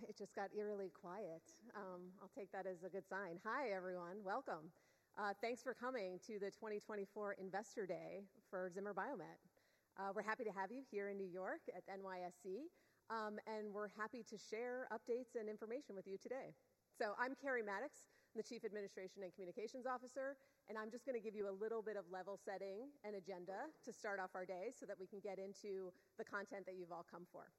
Wow! It just got eerily quiet. I'll take that as a good sign. Hi, everyone. Welcome. Thanks for coming to the 2024 Investor Day for Zimmer Biomet. We're happy to have you here in New York at NYSE, and we're happy to share updates and information with you today. So I'm Keri Mattox, the Chief Administration and Communications Officer, and I'm just going to give you a little bit of level setting and agenda to start off our day so that we can get into the content that you've all come for.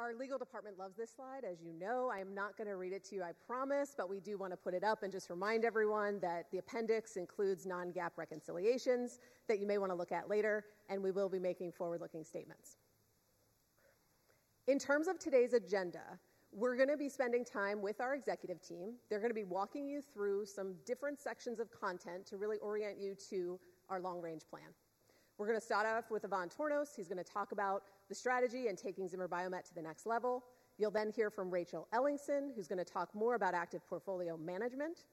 Our legal department loves this slide. As you know, I'm not going to read it to you, I promise, but we do want to put it up and just remind everyone that the appendix includes non-GAAP reconciliations that you may want to look at later, and we will be making forward-looking statements. In terms of today's agenda, we're going to be spending time with our executive team. They're going to be walking you through some different sections of content to really orient you to our long-range plan. We're going to start off with Ivan Tornos, who's going to talk about the strategy and taking Zimmer Biomet to the next level. You'll then hear from Rachel Ellingson, who's going to talk more about active portfolio management.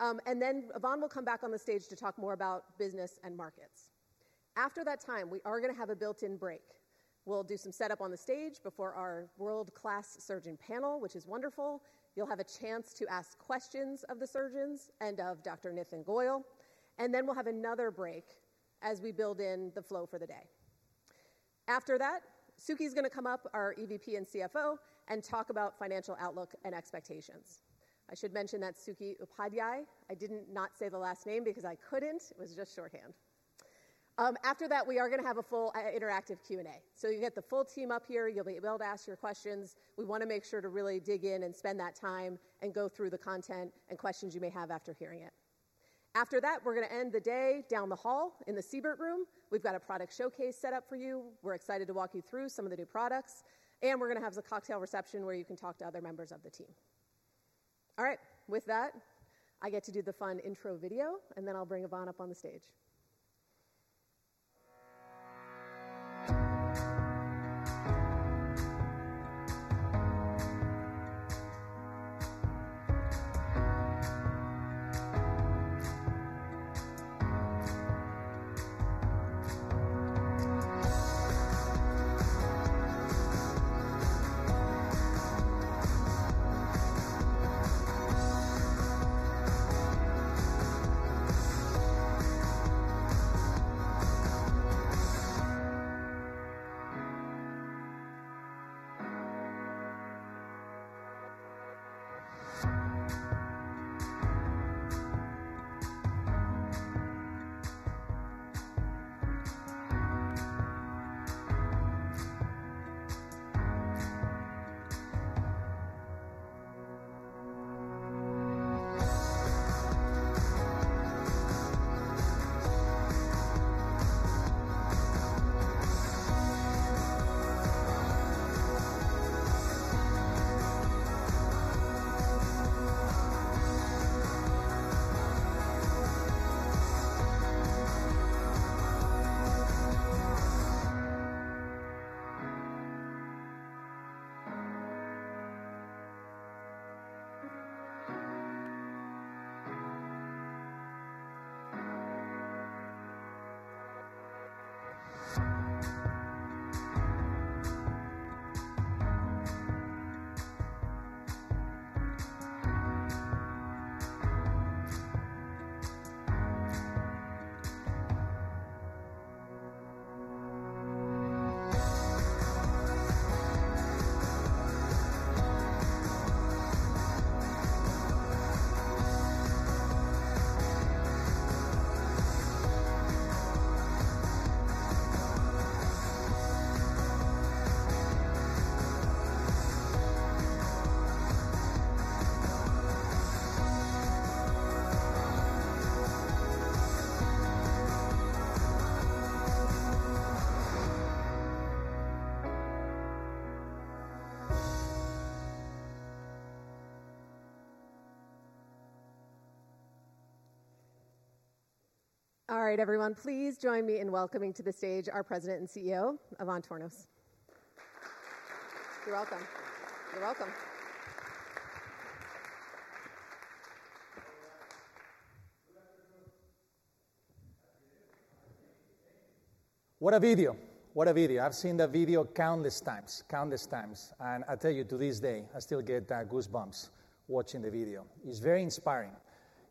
And then Ivan will come back on the stage to talk more about business and markets. After that time, we are going to have a built-in break. We'll do some setup on the stage before our world-class surgeon panel, which is wonderful. You'll have a chance to ask questions of the surgeons and of Dr. Nitin Goyal, and then we'll have another break as we build in the flow for the day. After that, Suky is going to come up, our EVP and CFO, and talk about financial outlook and expectations. I should mention that Suky Upadhyay, I didn't not say the last name because I couldn't. It was just shorthand. After that, we are going to have a full, interactive Q&A. So you get the full team up here, you'll be able to ask your questions. We want to make sure to really dig in and spend that time and go through the content and questions you may have after hearing it. After that, we're going to end the day down the hall in the Siebert room. We've got a product showcase set up for you. We're excited to walk you through some of the new products, and we're going to have a cocktail reception where you can talk to other members of the team. All right. With that, I get to do the fun intro video, and then I'll bring Ivan up on the stage. All right, everyone, please join me in welcoming to the stage our President and CEO, Ivan Tornos. You're welcome. You're welcome. Good afternoon. What a video! What a video. I've seen that video countless times. Countless times. And I tell you, to this day, I still get, goosebumps watching the video. It's very inspiring.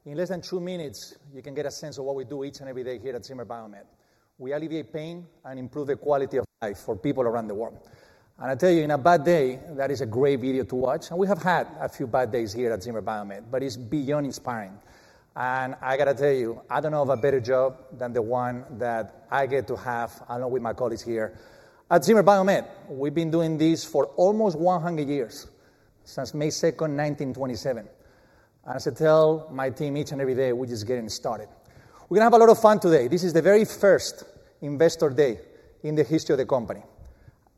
In less than two minutes, you can get a sense of what we do each and every day here at Zimmer Biomet. We alleviate pain and improve the quality of life for people around the world. And I tell you, on a bad day, that is a great video to watch, and we have had a few bad days here at Zimmer Biomet, but it's beyond inspiring. And I got to tell you, I don't know of a better job than the one that I get to have along with my colleagues here. At Zimmer Biomet, we've been doing this for almost 100 years, since May 2nd, 1927, and as I tell my team each and every day, we're just getting started. We're going to have a lot of fun today. This is the very first Investor Day in the history of the company.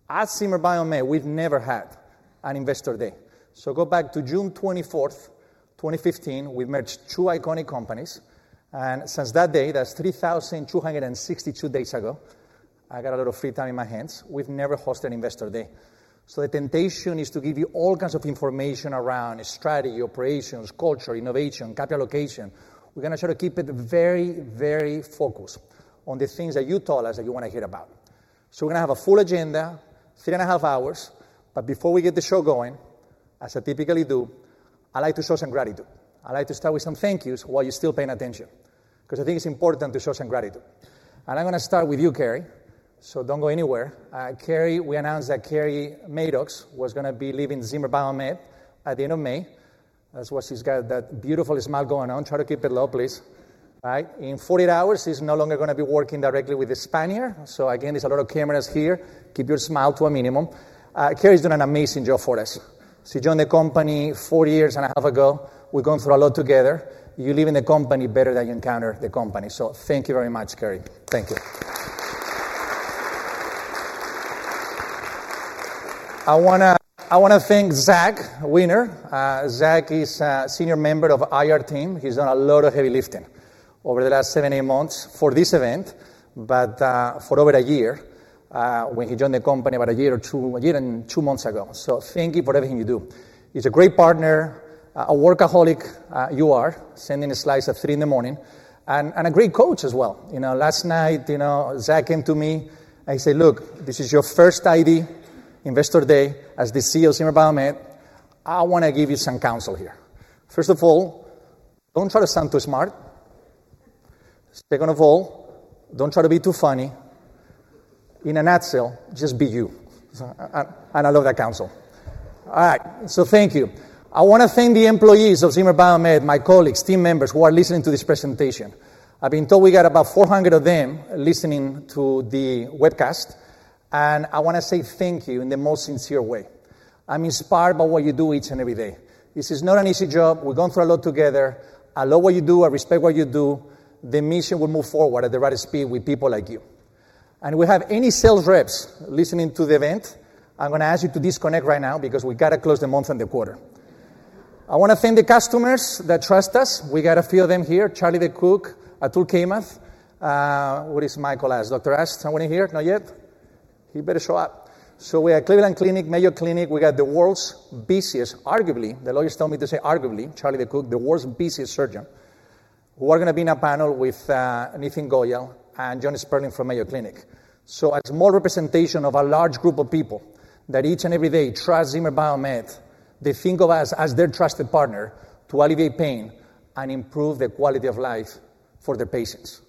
At Zimmer Biomet, we've never had an Investor Day. So go back to June 24th, 2015, we merged two iconic companies, and since that day, that's 3,262 days ago, I got a lot of free time in my hands, we've never hosted an Investor Day. So the temptation is to give you all kinds of information around strategy, operations, culture, innovation, capital allocation. We're going to try to keep it very, very focused on the things that you told us that you want to hear about.... So we're going to have a full agenda, 3.5 hours. But before we get the show going, as I typically do, I like to show some gratitude. I like to start with some thank yous while you're still paying attention, because I think it's important to show some gratitude. And I'm going to start with you, Keri, so don't go anywhere. Keri, we announced that Keri Mattox was going to be leaving Zimmer Biomet at the end of May. That's why she's got that beautiful smile going on. Try to keep it low, please. Right? In 48 hours, she's no longer going to be working directly with the Spaniard. So again, there's a lot of cameras here. Keep your smile to a minimum. Keri's done an amazing job for us. She joined the company 4.5 years ago. We've gone through a lot together. You're leaving the company better than you encountered the company, so thank you very much, Keri. Thank you. I want to, I want to thank Zach Weiner. Zach is a senior member of IR team. He's done a lot of heavy lifting over the last 7, 8 months for this event, but for over a year, when he joined the company about 1 year or 2, 1 year and 2 months ago. So thank you for everything you do. He's a great partner, a workaholic, sending a slice at 3 in the morning, and a great coach as well. You know, last night, you know, Zach came to me and he said, "Look, this is your first ID, Investor Day, as the CEO of Zimmer Biomet. I want to give you some counsel here. First of all, don't try to sound too smart. Second of all, don't try to be too funny. In a nutshell, just be you." I love that counsel. All right, so thank you. I want to thank the employees of Zimmer Biomet, my colleagues, team members, who are listening to this presentation. I've been told we got about 400 of them listening to the webcast, and I want to say thank you in the most sincere way. I'm inspired by what you do each and every day. This is not an easy job. We've gone through a lot together. I love what you do, I respect what you do. The mission will move forward at the right speed with people like you. If we have any sales reps listening to the event, I'm going to ask you to disconnect right now because we got to close the month and the quarter. I want to thank the customers that trust us. We got a few of them here, Charlie DeCook, Atul Kamath... Where is Michael Ast? Dr. Ast, anyone here? Not yet. He better show up. So we have Cleveland Clinic, Mayo Clinic, we got the world's busiest, arguably, the lawyers told me to say arguably, Charlie DeCook, the world's busiest surgeon, who are going to be in a panel with Nitin Goyal and John Sperling from Mayo Clinic. So a small representation of a large group of people that each and every day trust Zimmer Biomet. They think of us as their trusted partner to alleviate pain and improve the quality of life for their patients.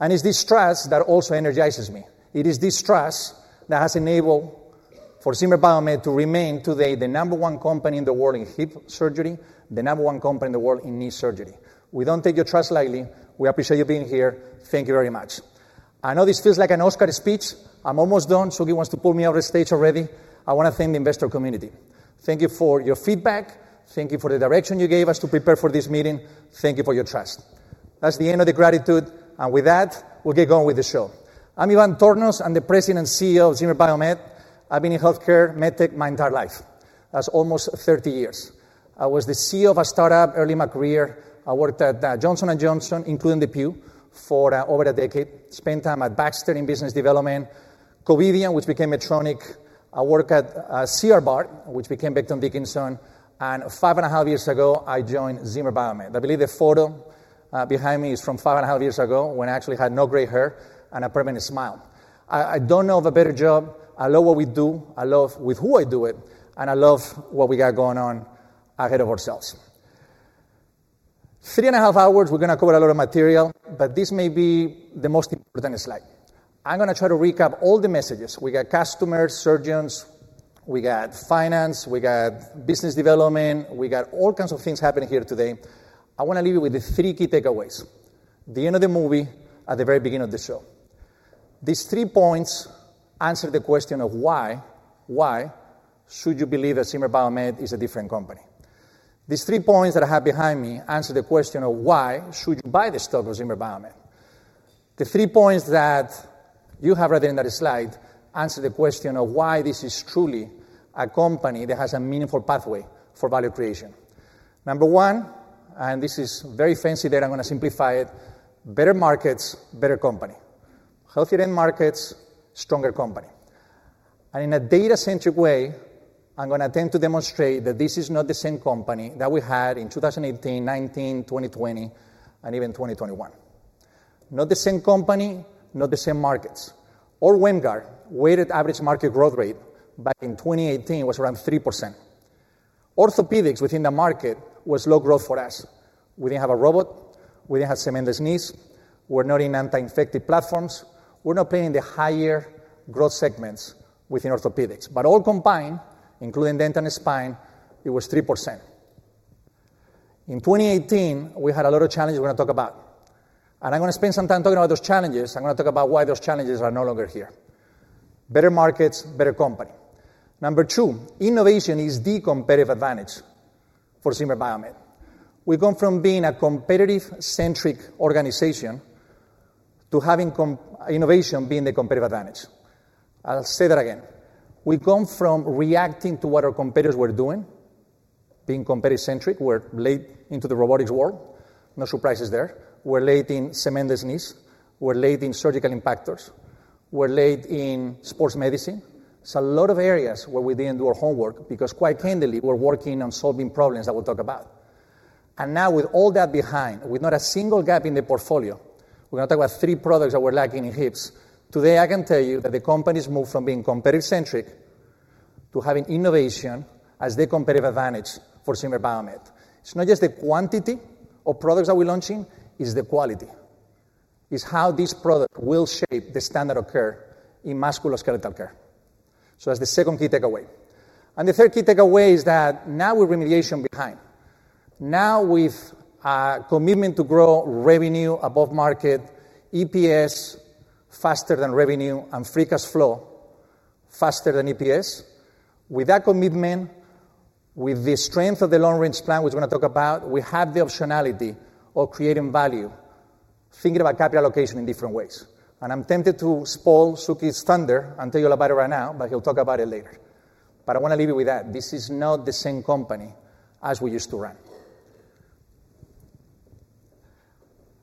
And it's this trust that also energizes me. It is this trust that has enabled for Zimmer Biomet to remain today the number one company in the world in hip surgery, the number one company in the world in knee surgery. We don't take your trust lightly. We appreciate you being here. Thank you very much. I know this feels like an Oscar speech. I'm almost done, Suky wants to pull me off the stage already. I want to thank the investor community. Thank you for your feedback. Thank you for the direction you gave us to prepare for this meeting. Thank you for your trust. That's the end of the gratitude, and with that, we'll get going with the show. I'm Ivan Tornos, I'm the President and CEO of Zimmer Biomet. I've been in healthcare, medtech, my entire life. That's almost 30 years. I was the CEO of a startup early in my career. I worked at Johnson & Johnson, including DePuy, for over a decade. Spent time at Baxter in business development, Covidien, which became Medtronic. I worked at C. R. Bard, which became Becton Dickinson, and 5.5 years ago, I joined Zimmer Biomet. I believe the photo behind me is from 5.5 years ago, when I actually had no gray hair and a permanent smile. I don't know of a better job. I love what we do, I love with who I do it, and I love what we got going on ahead of ourselves. 3.5 hours, we're going to cover a lot of material, but this may be the most important slide. I'm going to try to recap all the messages. We got customers, surgeons, we got finance, we got business development, we got all kinds of things happening here today. I want to leave you with the 3 key takeaways. The end of the movie, at the very beginning of the show. These three points answer the question of why, why should you believe that Zimmer Biomet is a different company? These three points that I have behind me answer the question of why should you buy the stock of Zimmer Biomet? The three points that you have right there on that slide answer the question of why this is truly a company that has a meaningful pathway for value creation. Number one, and this is very fancy that I'm going to simplify it, better markets, better company. Healthier end markets, stronger company. And in a data-centric way, I'm going to attempt to demonstrate that this is not the same company that we had in 2018, 2019, 2020 and even 2021. Not the same company, not the same markets. WAMGR, weighted average market growth rate back in 2018 was around 3%. Orthopedics within the market was low growth for us. We didn't have a robot, we didn't have cementless knees, we're not in anti-infective platforms, we're not playing in the higher growth segments within orthopedics. But all combined, including dental and spine, it was 3%. In 2018, we had a lot of challenges we're going to talk about, and I'm going to spend some time talking about those challenges. I'm going to talk about why those challenges are no longer here. Better markets, better company. Number two, innovation is the competitive advantage for Zimmer Biomet. We've gone from being a competitive-centric organization to having innovation being the competitive advantage. I'll say that again. We've gone from reacting to what our competitors were doing, being competitive-centric. We're late into the robotics world, no surprises there. We're late in cementless knees. We're late in surgical impactors. We're late in sports medicine. So a lot of areas where we didn't do our homework, because quite candidly, we're working on solving problems that we'll talk about.... And now with all that behind, with not a single gap in the portfolio, we're going to talk about three products that we're lacking in hips. Today, I can tell you that the company's moved from being competitive-centric to having innovation as their competitive advantage for Zimmer Biomet. It's not just the quantity of products that we're launching, it's the quality. It's how this product will shape the standard of care in musculoskeletal care. So that's the second key takeaway. And the third key takeaway is that now with remediation behind, now with our commitment to grow revenue above market, EPS faster than revenue, and free cash flow faster than EPS. With that commitment, with the strength of the long-range plan, which we're going to talk about, we have the optionality of creating value, thinking about capital allocation in different ways. And I'm tempted to spoil Suky's thunder and tell you all about it right now, but he'll talk about it later. But I want to leave you with that. This is not the same company as we used to run.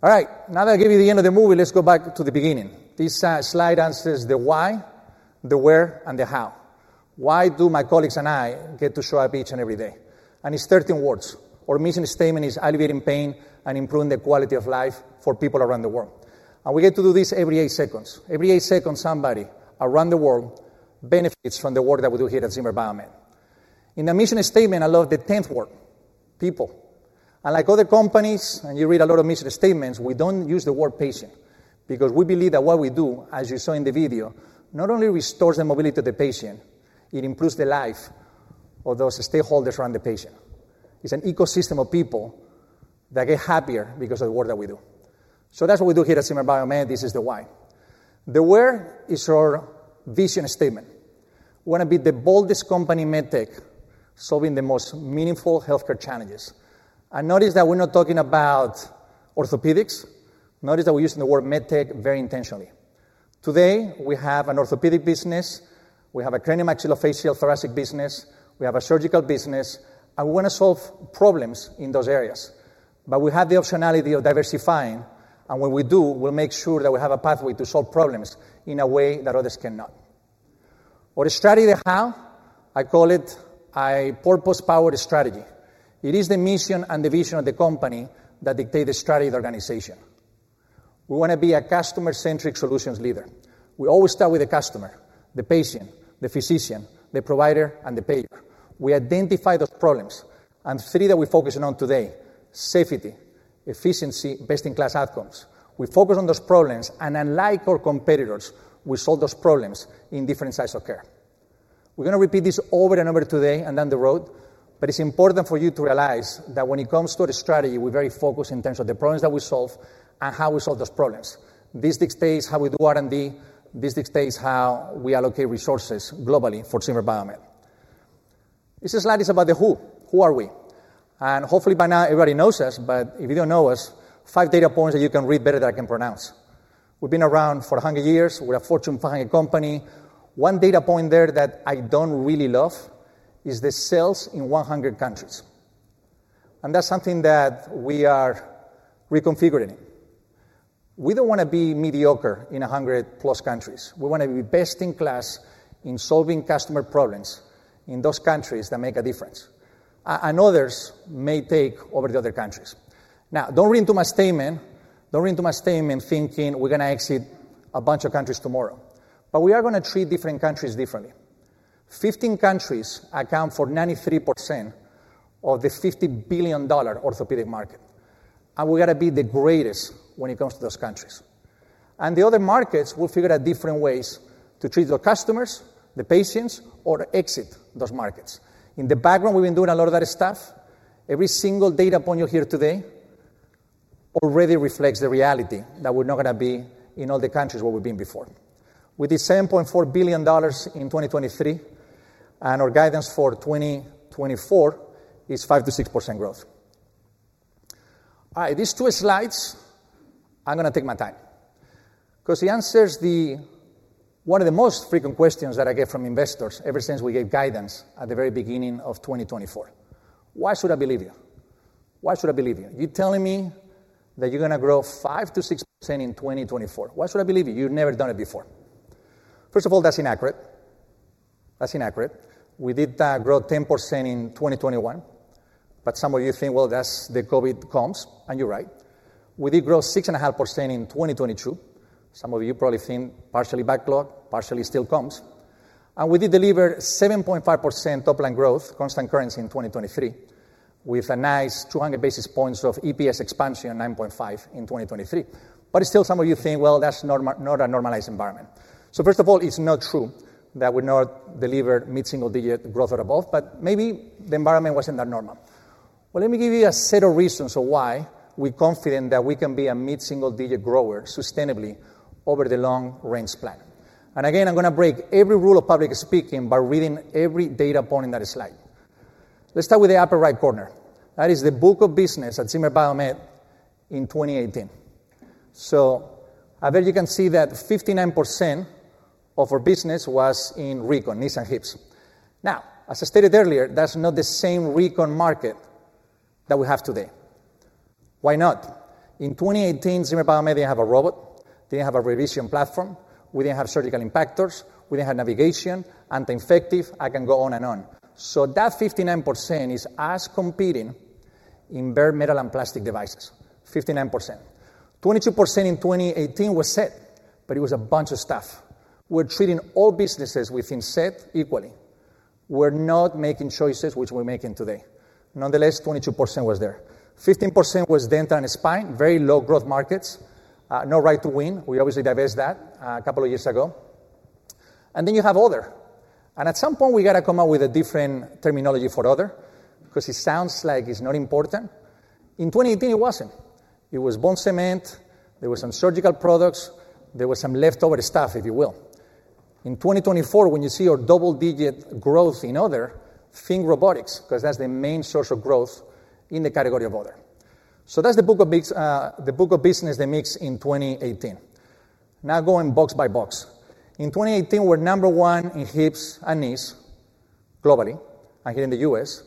All right, now that I gave you the end of the movie, let's go back to the beginning. This slide answers the why, the where, and the how. Why do my colleagues and I get to show up each and every day? And it's 13 words. Our mission statement is alleviating pain and improving the quality of life for people around the world, and we get to do this every eight seconds. Every eight seconds, somebody around the world benefits from the work that we do here at Zimmer Biomet. In the mission statement, I love the tenth word, people. Unlike other companies, and you read a lot of mission statements, we don't use the word patient because we believe that what we do, as you saw in the video, not only restores the mobility of the patient, it improves the life of those stakeholders around the patient. It's an ecosystem of people that get happier because of the work that we do. So that's what we do here at Zimmer Biomet. This is the why. The where is our vision statement. We want to be the boldest company in medtech, solving the most meaningful healthcare challenges. And notice that we're not talking about orthopedics. Notice that we're using the word medtech very intentionally. Today, we have an orthopedic business, we have a craniomaxillofacial thoracic business, we have a surgical business, and we want to solve problems in those areas. But we have the optionality of diversifying, and when we do, we'll make sure that we have a pathway to solve problems in a way that others cannot. Our strategy, the how, I call it a purpose-powered strategy. It is the mission and the vision of the company that dictate the strategy of the organization. We want to be a customer-centric solutions leader. We always start with the customer, the patient, the physician, the provider, and the payer. We identify those problems, and three that we're focusing on today: safety, efficiency, best-in-class outcomes. We focus on those problems, and unlike our competitors, we solve those problems in different sites of care. We're going to repeat this over and over today and down the road, but it's important for you to realize that when it comes to the strategy, we're very focused in terms of the problems that we solve and how we solve those problems. This dictates how we do R&D. This dictates how we allocate resources globally for Zimmer Biomet. This slide is about the who. Who are we? And hopefully by now everybody knows us, but if you don't know us, five data points that you can read better than I can pronounce. We've been around for 100 years. We're a Fortune 500 company. One data point there that I don't really love is the sales in 100 countries, and that's something that we are reconfiguring. We don't want to be mediocre in 100+ countries. We want to be best in class in solving customer problems in those countries that make a difference. And others may take over the other countries. Now, don't read into my statement, don't read into my statement, thinking we're going to exit a bunch of countries tomorrow, but we are going to treat different countries differently. 15 countries account for 93% of the $50 billion orthopedic market, and we got to be the greatest when it comes to those countries. And the other markets, we'll figure out different ways to treat the customers, the patients, or exit those markets. In the background, we've been doing a lot of that stuff. Every single data point you'll hear today already reflects the reality that we're not going to be in all the countries where we've been before. With the same $0.4 billion in 2023, and our guidance for 2024 is 5%-6% growth. All right, these two slides, I'm going to take my time because it answers the one of the most frequent questions that I get from investors ever since we gave guidance at the very beginning of 2024. Why should I believe you? Why should I believe you? You're telling me that you're going to grow 5%-6% in 2024. Why should I believe you? You've never done it before. First of all, that's inaccurate. That's inaccurate. We did grow 10% in 2021, but some of you think, well, that's the COVID comps, and you're right. We did grow 6.5% in 2022. Some of you probably think partially backlog, partially still comps. We did deliver 7.5% top-line growth, constant currency in 2023, with a nice 200 basis points of EPS expansion of 9.5 in 2023. But still, some of you think, well, that's not a normalized environment. So first of all, it's not true that we not delivered mid-single-digit growth or above, but maybe the environment wasn't that normal. Well, let me give you a set of reasons of why we're confident that we can be a mid-single-digit grower sustainably over the long range plan. And again, I'm going to break every rule of public speaking by reading every data point in that slide. Let's start with the upper right corner. That is the book of business at Zimmer Biomet in 2018. So there you can see that 59% of our business was in recon, knees and hips. Now, as I stated earlier, that's not the same recon market that we have today... Why not? In 2018, Zimmer Biomet didn't have a robot, didn't have a revision platform, we didn't have surgical impactors, we didn't have navigation, anti-infective, I can go on and on. So that 59% is us competing in bare metal and plastic devices, 59%. 22% in 2018 was SET, but it was a bunch of stuff. We're treating all businesses within SET equally. We're not making choices, which we're making today. Nonetheless, 22% was there. 15% was dental and spine, very low growth markets, no right to win. We obviously divested that, a couple of years ago. And then you have other, and at some point, we got to come up with a different terminology for other because it sounds like it's not important. In 2018, it wasn't. It was bone cement, there were some surgical products, there were some leftover stuff, if you will. In 2024, when you see our double-digit growth in other, think robotics, because that's the main source of growth in the category of other. So that's the book of biz, the book of business that mix in 2018. Now, going box by box. In 2018, we're number one in hips and knees globally and here in the U.S.,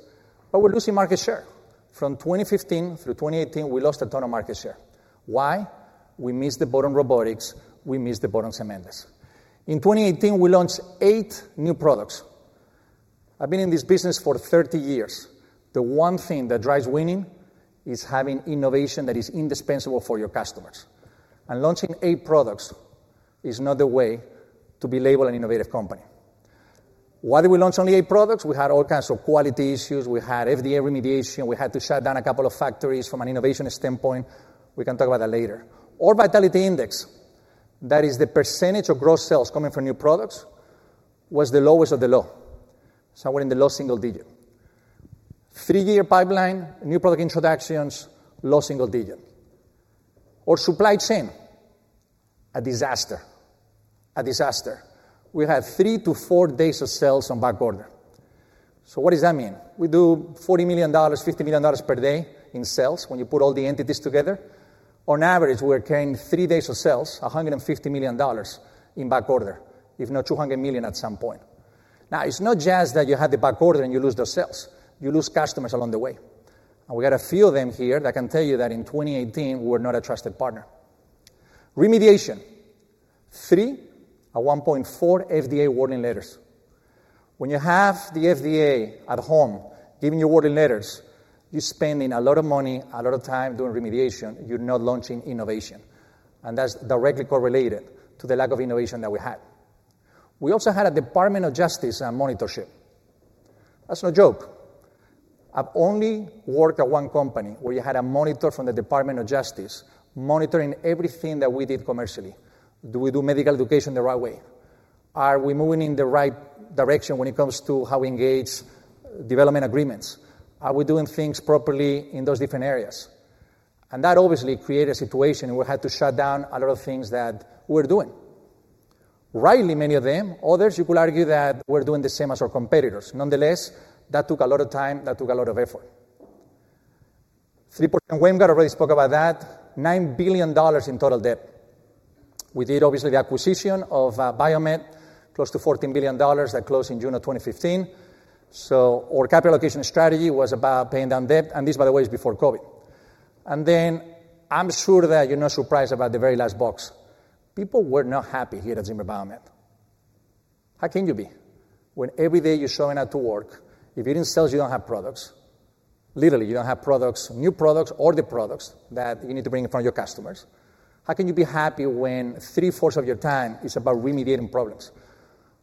but we're losing market share. From 2015 through 2018, we lost a ton of market share. Why? We missed the boat on robotics, we missed the boat on cementless. In 2018, we launched 8 new products. I've been in this business for 30 years. The one thing that drives winning is having innovation that is indispensable for your customers, and launching 8 products is not the way to be labeled an innovative company. Why did we launch only 8 products? We had all kinds of quality issues, we had FDA remediation, we had to shut down a couple of factories from an innovation standpoint. We can talk about that later. Our Vitality Index, that is the percentage of gross sales coming from new products, was the lowest of the low, somewhere in the low single digit. 3-year pipeline, new product introductions, low single digit. Our supply chain, a disaster. A disaster. We had 3-4 days of sales on backorder. So what does that mean? We do $40 million, $50 million per day in sales when you put all the entities together. On average, we're carrying three days of sales, $150 million in backorder, if not $200 million at some point. Now, it's not just that you have the backorder and you lose those sales, you lose customers along the way, and we got a few of them here that can tell you that in 2018, we were not a trusted partner. Remediation, three, a 1.4 FDA warning letters. When you have the FDA at home giving you warning letters, you're spending a lot of money, a lot of time doing remediation, you're not launching innovation, and that's directly correlated to the lack of innovation that we had. We also had a Department of Justice monitorship. That's no joke. I've only worked at one company where you had a monitor from the Department of Justice monitoring everything that we did commercially. Do we do medical education the right way? Are we moving in the right direction when it comes to how we engage development agreements? Are we doing things properly in those different areas? That obviously created a situation where we had to shut down a lot of things that we're doing. Rightly, many of them, others, you could argue that we're doing the same as our competitors. Nonetheless, that took a lot of time, that took a lot of effort. Philipp and Weingart already spoke about that. $9 billion in total debt. We did obviously the acquisition of Biomet, close to $14 billion that closed in June of 2015. So our capital allocation strategy was about paying down debt, and this, by the way, is before COVID. Then I'm sure that you're not surprised about the very last box. People were not happy here at Zimmer Biomet. How can you be when every day you're showing up to work, if you're in sales, you don't have products? Literally, you don't have products, new products, or the products that you need to bring in front of your customers. How can you be happy when 3/4 of your time is about remediating problems?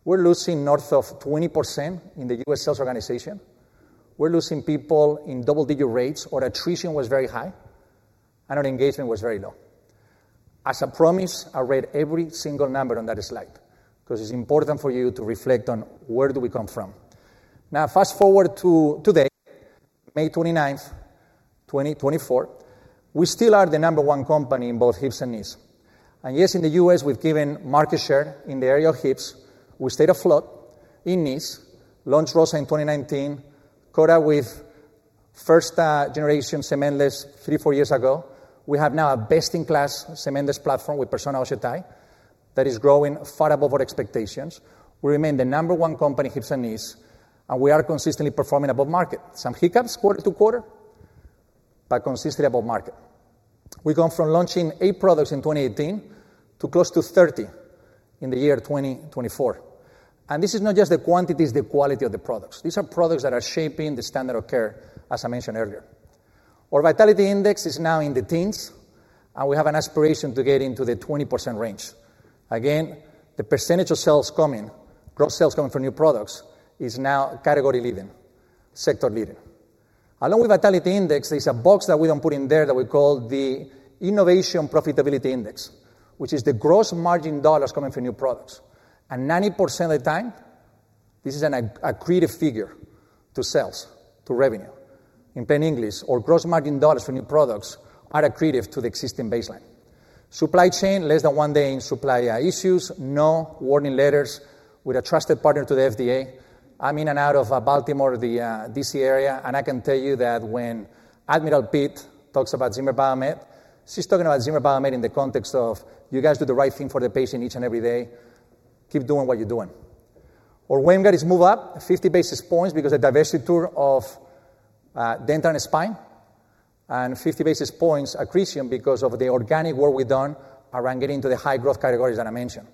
We're losing north of 20% in the U.S. sales organization. We're losing people in double-digit rates. Our attrition was very high, and our engagement was very low. As I promised, I read every single number on that slide because it's important for you to reflect on where do we come from. Now, fast-forward to today, May 29th, 2024, we still are the number one company in both hips and knees. And yes, in the U.S., we've given market share in the area of hips. We stayed afloat in knees, launched ROSA in 2019, caught up with first generation cementless 3-4 years ago. We have now a best-in-class cementless platform with Persona OsseoTi that is growing far above our expectations. We remain the number one company, hips and knees, and we are consistently performing above market. Some hiccups quarter-to-quarter, but consistently above market. We've gone from launching 8 products in 2018 to close to 30 in the year 2024, and this is not just the quantity, it's the quality of the products. These are products that are shaping the standard of care, as I mentioned earlier. Our Vitality Index is now in the teens, and we have an aspiration to get into the 20% range. Again, the percentage of sales coming, gross sales coming from new products, is now category leading, sector leading. Along with Vitality Index, there's a box that we don't put in there that we call the innovation profitability index, which is the gross margin dollars coming from new products, and 90% of the time, this is an accretive figure to sales, to revenue. In plain English, our gross margin dollars for new products are accretive to the existing baseline. Supply chain, less than one day in supply issues, no warning letters. We're a trusted partner to the FDA. I'm in and out of Baltimore, the D.C. area, and I can tell you that when Admiral Pitt talks about Zimmer Biomet, she's talking about Zimmer Biomet in the context of, "You guys do the right thing for the patient each and every day. Keep doing what you're doing."... Our margin has moved up 50 basis points because the divestiture of dental and spine, and 50 basis points accretion because of the organic work we've done around getting to the high growth categories that I mentioned.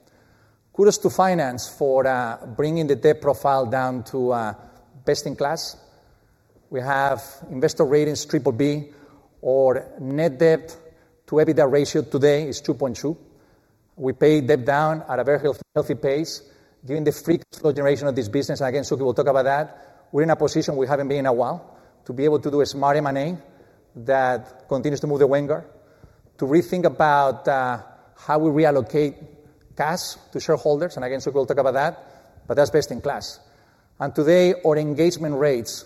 Kudos to finance for bringing the debt profile down to best in class. We have investment ratings BBB, our net debt to EBITDA ratio today is 2.2x. We pay debt down at a very healthy, healthy pace, given the free cash flow generation of this business. Again, Suky will talk about that. We're in a position we haven't been in a while, to be able to do a smart M&A that continues to move the margin, to rethink about how we reallocate cash to shareholders, and again, Suky will talk about that, but that's best in class. And today, our engagement rates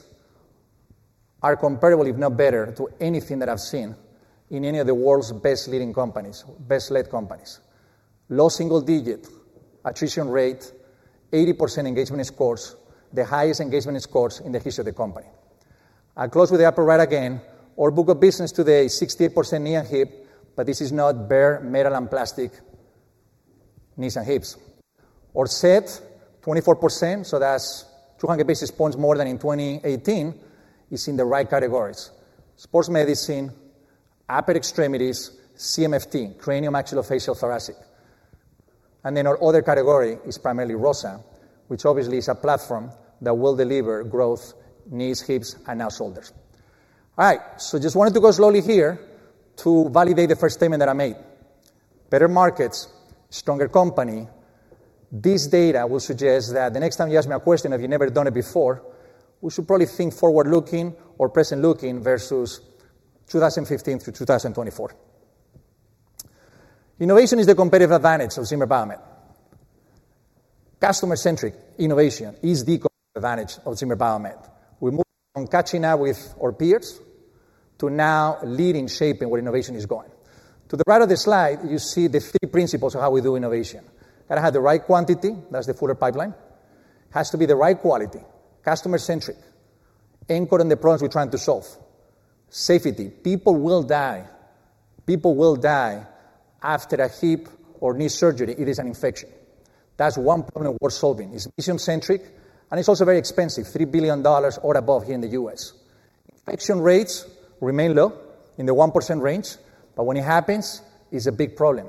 are comparable, if not better, to anything that I've seen in any of the world's best leading companies, best-led companies. Low single-digit attrition rate, 80% engagement scores, the highest engagement scores in the history of the company. I close with the upper right again. Our book of business today, 68% knee and hip, but this is not bare metal and plastic knees and hips, or SET 24%, so that's 200 basis points more than in 2018, is in the right categories. Sports medicine, upper extremities, CMFT, craniomaxillofacial thoracic. And then our other category is primarily ROSA, which obviously is a platform that will deliver growth, knees, hips, and now shoulders. All right, so just wanted to go slowly here to validate the first statement that I made. Better markets, stronger company. This data will suggest that the next time you ask me a question, have you never done it before, we should probably think forward-looking or present-looking versus 2015 through 2024. Innovation is the competitive advantage of Zimmer Biomet. Customer-centric innovation is the competitive advantage of Zimmer Biomet. We're moving on catching up with our peers to now leading, shaping where innovation is going. To the right of the slide, you see the three principles of how we do innovation. Got to have the right quantity, that's the fuller pipeline. Has to be the right quality, customer-centric, anchored on the problems we're trying to solve. Safety. People will die. People will die after a hip or knee surgery if it is an infection. That's one problem worth solving. It's mission-centric, and it's also very expensive, $3 billion or above here in the U.S. Infection rates remain low in the 1% range, but when it happens, it's a big problem.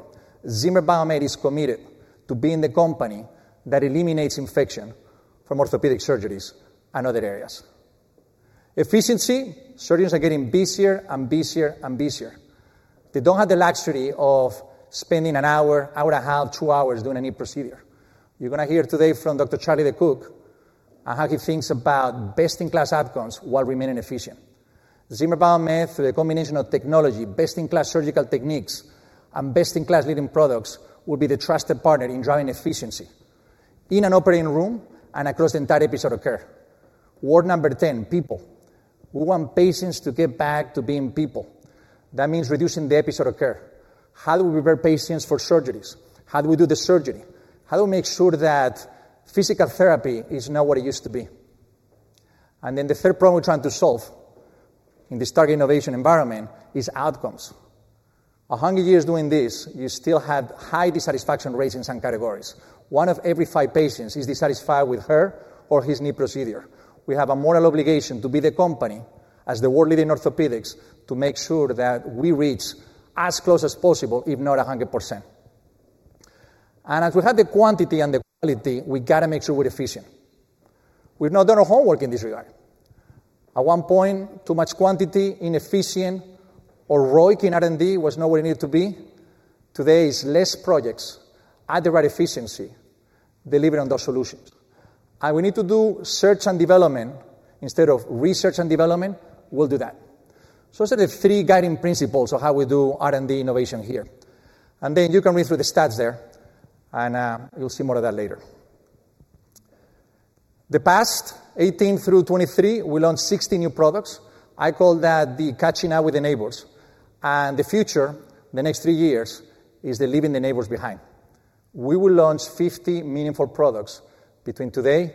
Zimmer Biomet is committed to being the company that eliminates infection from orthopedic surgeries and other areas. Efficiency. Surgeons are getting busier and busier and busier. They don't have the luxury of spending 1 hour, 1.5 hours, 2 hours doing a knee procedure. You're going to hear today from Dr. Charlie DeCook on how he thinks about best-in-class outcomes while remaining efficient. Zimmer Biomet, through the combination of technology, best-in-class surgical techniques, and best-in-class leading products, will be the trusted partner in driving efficiency in an operating room and across the entire episode of care. Word number one0, people. We want patients to get back to being people. That means reducing the episode of care. How do we prepare patients for surgeries? How do we do the surgery? How do we make sure that physical therapy is not what it used to be? And then the third problem we're trying to solve in this target innovation environment is outcomes. 100 years doing this, you still have high dissatisfaction rates in some categories. One of every 5 patients is dissatisfied with her or his knee procedure. We have a moral obligation to be the company, as the world leader in orthopedics, to make sure that we reach as close as possible, if not 100%. And as we have the quantity and the quality, we got to make sure we're efficient. We've not done our homework in this regard. At one point, too much quantity, inefficient, or ROIC in R&D was not where it needed to be. Today is less projects at the right efficiency, delivering on those solutions. We need to do search and development instead of research and development, we'll do that. So those are the three guiding principles of how we do R&D innovation here. And then you can read through the stats there, and, you'll see more of that later. The past 2018 through 2023, we launched 60 new products. I call that the catching up with the neighbors. And the future, the next 3 years, is the leaving the neighbors behind. We will launch 50 meaningful products between today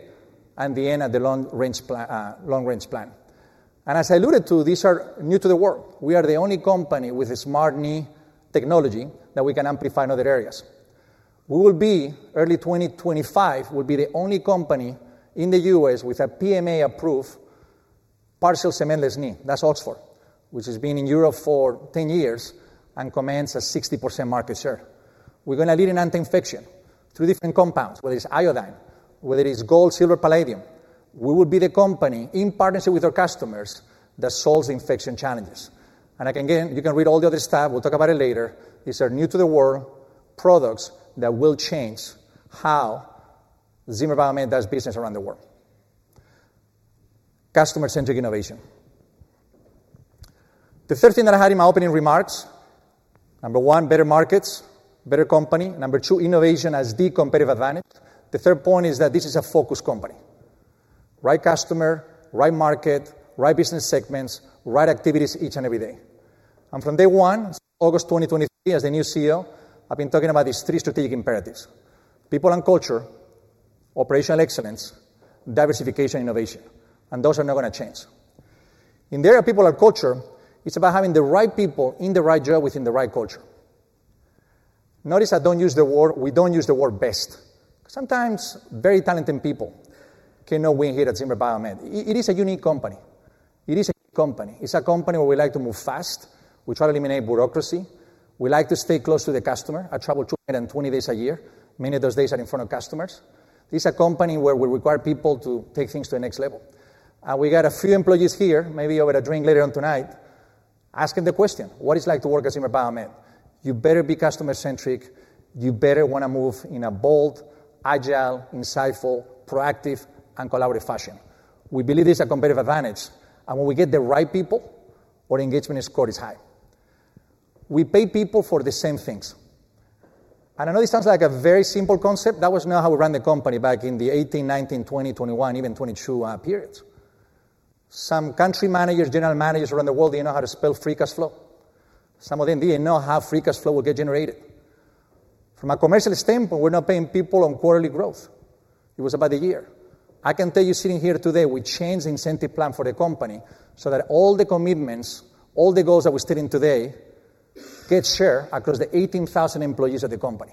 and the end of the long range plan, long range plan. And as I alluded to, these are new to the world. We are the only company with a smart knee technology that we can amplify in other areas. We will be, early 2025, will be the only company in the U.S. with a PMA-approved partial cementless knee. That's Oxford, which has been in Europe for 10 years and commands a 60% market share. We're going to lead in anti-infection, 3 different compounds, whether it's iodine, whether it's gold, silver, palladium. We will be the company, in partnership with our customers, that solves infection challenges. And again, you can read all the other stuff. We'll talk about it later. These are new to the world products that will change how Zimmer Biomet does business around the world. Customer-centric innovation. The third thing that I had in my opening remarks, number one, better markets, better company. Number two, innovation as the competitive advantage. The third point is that this is a focused company. Right customer, right market, right business segments, right activities each and every day. And from day one, August 2023, as the new CEO, I've been talking about these three strategic imperatives: people and culture, operational excellence, diversification, innovation, and those are not going to change. In the area of people and culture, it's about having the right people in the right job within the right culture. Notice I don't use the word, we don't use the word best. Sometimes very talented people cannot win here at Zimmer Biomet. It, it is a unique company. It is a company. It's a company where we like to move fast. We try to eliminate bureaucracy. We like to stay close to the customer. I travel 220 days a year. Many of those days are in front of customers. This is a company where we require people to take things to the next level. We got a few employees here, maybe over a drink later on tonight, asking the question: What it's like to work at Zimmer Biomet? You better be customer-centric. You better want to move in a bold, agile, insightful, proactive, and collaborative fashion. We believe this is a competitive advantage, and when we get the right people, our engagement score is high. We pay people for the same things, and I know this sounds like a very simple concept. That was not how we ran the company back in the 2018, 2019, 2020, 2021, even 2022 periods. Some country managers, general managers around the world, they didn't know how to spell free cash flow. Some of them didn't know how free cash flow will get generated. From a commercial standpoint, we're not paying people on quarterly growth. It was about a year. I can tell you sitting here today, we changed the incentive plan for the company so that all the commitments, all the goals that we're stating today, get shared across the 18,000 employees of the company.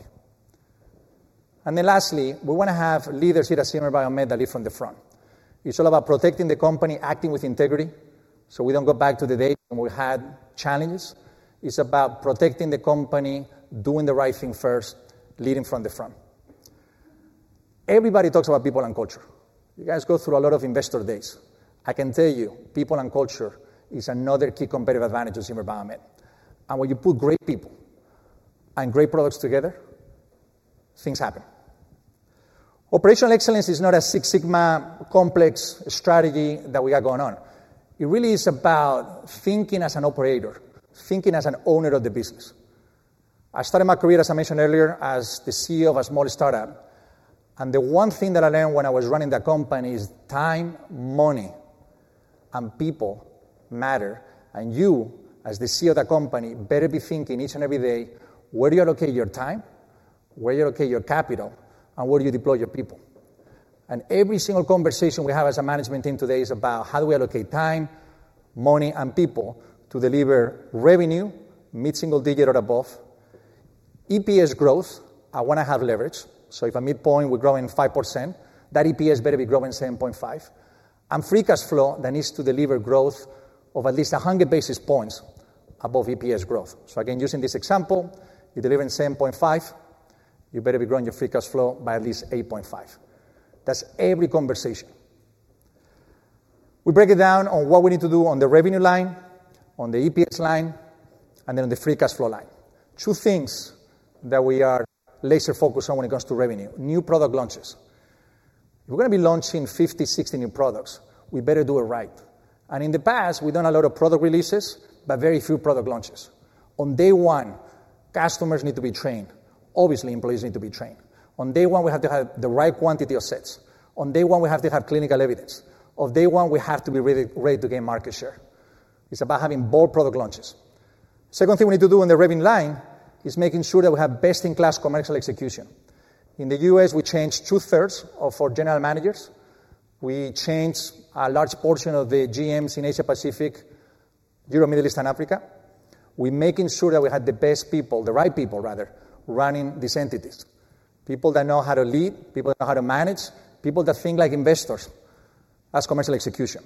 Then lastly, we want to have leaders here at Zimmer Biomet that lead from the front. It's all about protecting the company, acting with integrity, so we don't go back to the days when we had challenges. It's about protecting the company, doing the right thing first, leading from the front. Everybody talks about people and culture. You guys go through a lot of investor days. I can tell you, people and culture is another key competitive advantage of Zimmer Biomet. And when you put great people and great products together, things happen. Operational excellence is not a Six Sigma complex strategy that we are going on. It really is about thinking as an operator, thinking as an owner of the business. I started my career, as I mentioned earlier, as the CEO of a small start-up, and the one thing that I learned when I was running the company is time, money, and people matter. And you, as the CEO of the company, better be thinking each and every day, where do you allocate your time? Where do you allocate your capital? And where do you deploy your people? And every single conversation we have as a management team today is about how do we allocate time, money, and people to deliver revenue, mid-single digit or above, EPS growth. I want to have leverage, so if a midpoint, we're growing 5%, that EPS better be growing 7.5%. Free cash flow, that needs to deliver growth of at least 100 basis points above EPS growth. So again, using this example, you're delivering 7.5%, you better be growing your free cash flow by at least 8.5%. That's every conversation. We break it down on what we need to do on the revenue line, on the EPS line, and then on the free cash flow line. Two things that we are laser-focused on when it comes to revenue, new product launches. If we're going to be launching 50, 60 new products, we better do it right. And in the past, we've done a lot of product releases, but very few product launches. On day one, customers need to be trained. Obviously, employees need to be trained. On day one, we have to have the right quantity of sets. On day one, we have to have clinical evidence. On day one, we have to be really ready to gain market share. It's about having bold product launches. Second thing we need to do on the revenue line is making sure that we have best-in-class commercial execution. In the U.S., we changed 2/3 of our general managers. We changed a large portion of the GMs in Asia Pacific, Europe, Middle East, and Africa. We're making sure that we have the best people, the right people rather, running these entities. People that know how to lead, people that know how to manage, people that think like investors. That's commercial execution.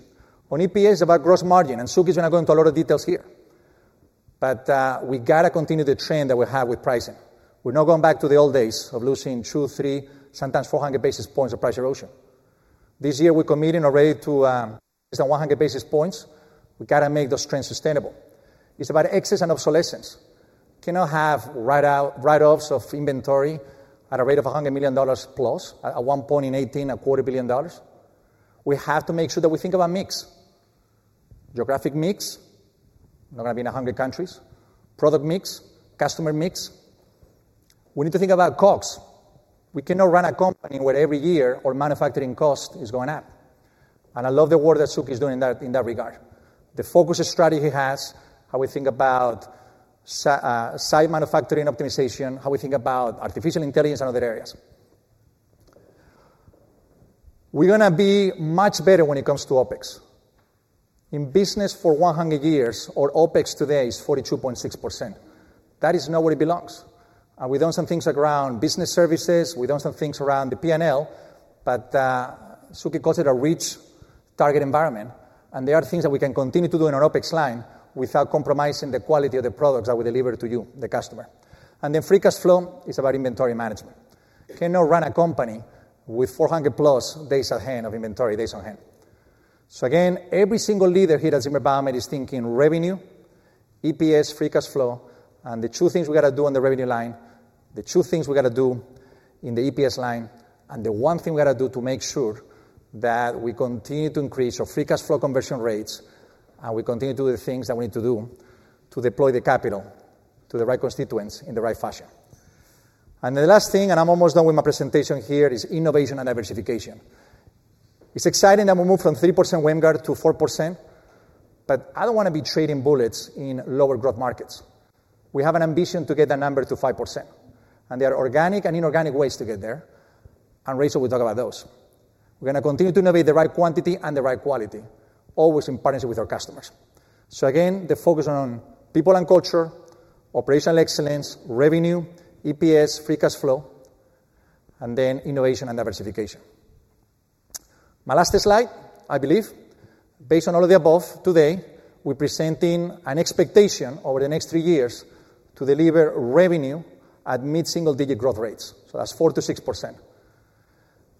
On EPS, about gross margin, and Suky is going to go into a lot of details here, but, we got to continue the trend that we have with pricing. We're not going back to the old days of losing 200, 300, sometimes 400 basis points of price erosion. This year, we're committing already to, it's at 100 basis points. We got to make those trends sustainable. It's about excess and obsolescence. Cannot have write-offs of inventory at a rate of $100 million plus, at one point in 2018, a $250 million We have to make sure that we think about mix. Geographic mix, not going to be in 100 countries, product mix, customer mix. We need to think about costs. We cannot run a company where every year our manufacturing cost is going up. And I love the work that Suky is doing in that, in that regard. The focus strategy he has, how we think about site manufacturing optimization, how we think about artificial intelligence and other areas. We're going to be much better when it comes to OpEx. In business for 100 years, our OpEx today is 42.6%. That is not where it belongs, and we've done some things around business services, we've done some things around the PNL, but Suki calls it a rich target environment, and there are things that we can continue to do on our OpEx line without compromising the quality of the products that we deliver to you, the customer. And then free cash flow is about inventory management. Cannot run a company with 400+ days on hand of inventory, days on hand. So again, every single leader here at Zimmer Biomet is thinking revenue, EPS, free cash flow, and the two things we got to do on the revenue line, the two things we got to do in the EPS line, and the one thing we got to do to make sure that we continue to increase our free cash flow conversion rates, and we continue to do the things that we need to do to deploy the capital to the right constituents in the right fashion. And the last thing, and I'm almost done with my presentation here, is innovation and diversification. It's exciting that we moved from 3% WAMGR to 4%, but I don't want to be trading bullets in lower growth markets. We have an ambition to get that number to 5%, and there are organic and inorganic ways to get there... and Rachel will talk about those. We're going to continue to innovate the right quantity and the right quality, always in partnership with our customers. So again, the focus on people and culture, operational excellence, revenue, EPS, free cash flow, and then innovation and diversification. My last slide, I believe, based on all of the above, today, we're presenting an expectation over the next 3 years to deliver revenue at mid-single-digit growth rates. So that's 4%-6%.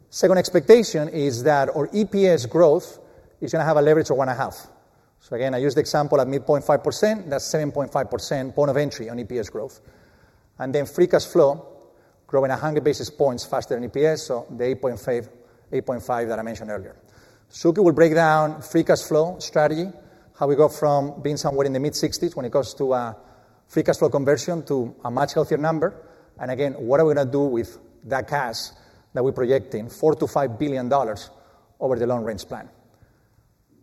Second expectation is that our EPS growth is going to have a leverage of 1.5%. So again, I use the example at midpoint 5%, that's 7.5% point of entry on EPS growth. And then free cash flow, growing 100 basis points faster than EPS, so the 8.5%, 8.5% that I mentioned earlier. Suki will break down free cash flow strategy, how we go from being somewhere in the mid-60s when it comes to free cash flow conversion to a much healthier number. And again, what are we going to do with that cash that we're projecting, $4 billion-$5 billion over the long range plan?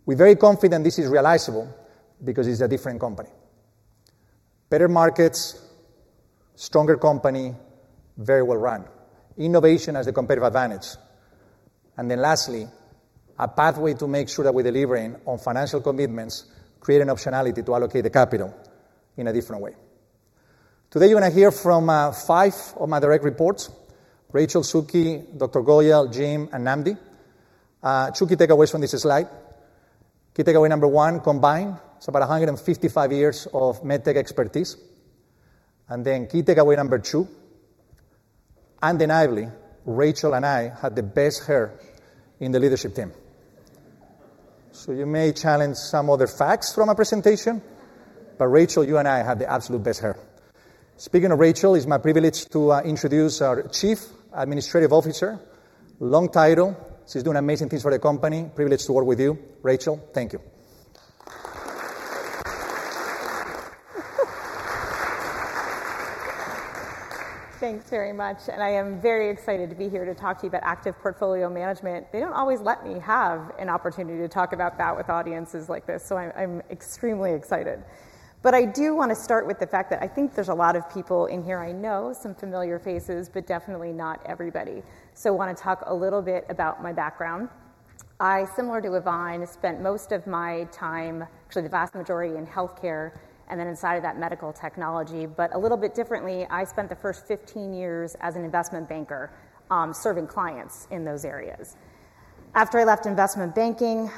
We're very confident this is realizable because it's a different company. Better markets, stronger company, very well run. Innovation has a competitive advantage. And then lastly, a pathway to make sure that we're delivering on financial commitments, creating optionality to allocate the capital in a different way. Today, you're going to hear from five of my direct reports: Rachel, Suki, Dr. Goyal, Jim, and Nnamdi. Two key takeaways from this slide. Key takeaway number one, combined, it's about 155 years of medtech expertise. And then key takeaway number two, undeniably, Rachel and I have the best hair in the leadership team. So you may challenge some other facts from my presentation, but Rachel, you and I have the absolute best hair. Speaking of Rachel, it's my privilege to introduce our Chief Administrative Officer. Long title. She's doing amazing things for the company. Privileged to work with you, Rachel. Thank you. Thanks very much, and I am very excited to be here to talk to you about active portfolio management. They don't always let me have an opportunity to talk about that with audiences like this, so I'm extremely excited. But I do want to start with the fact that I think there's a lot of people in here I know, some familiar faces, but definitely not everybody. So I want to talk a little bit about my background. I, similar to Ivan, spent most of my time, actually the vast majority, in healthcare and then inside of that medical technology, but a little bit differently, I spent the first 15 years as an investment banker, serving clients in those areas. After I left investment banking,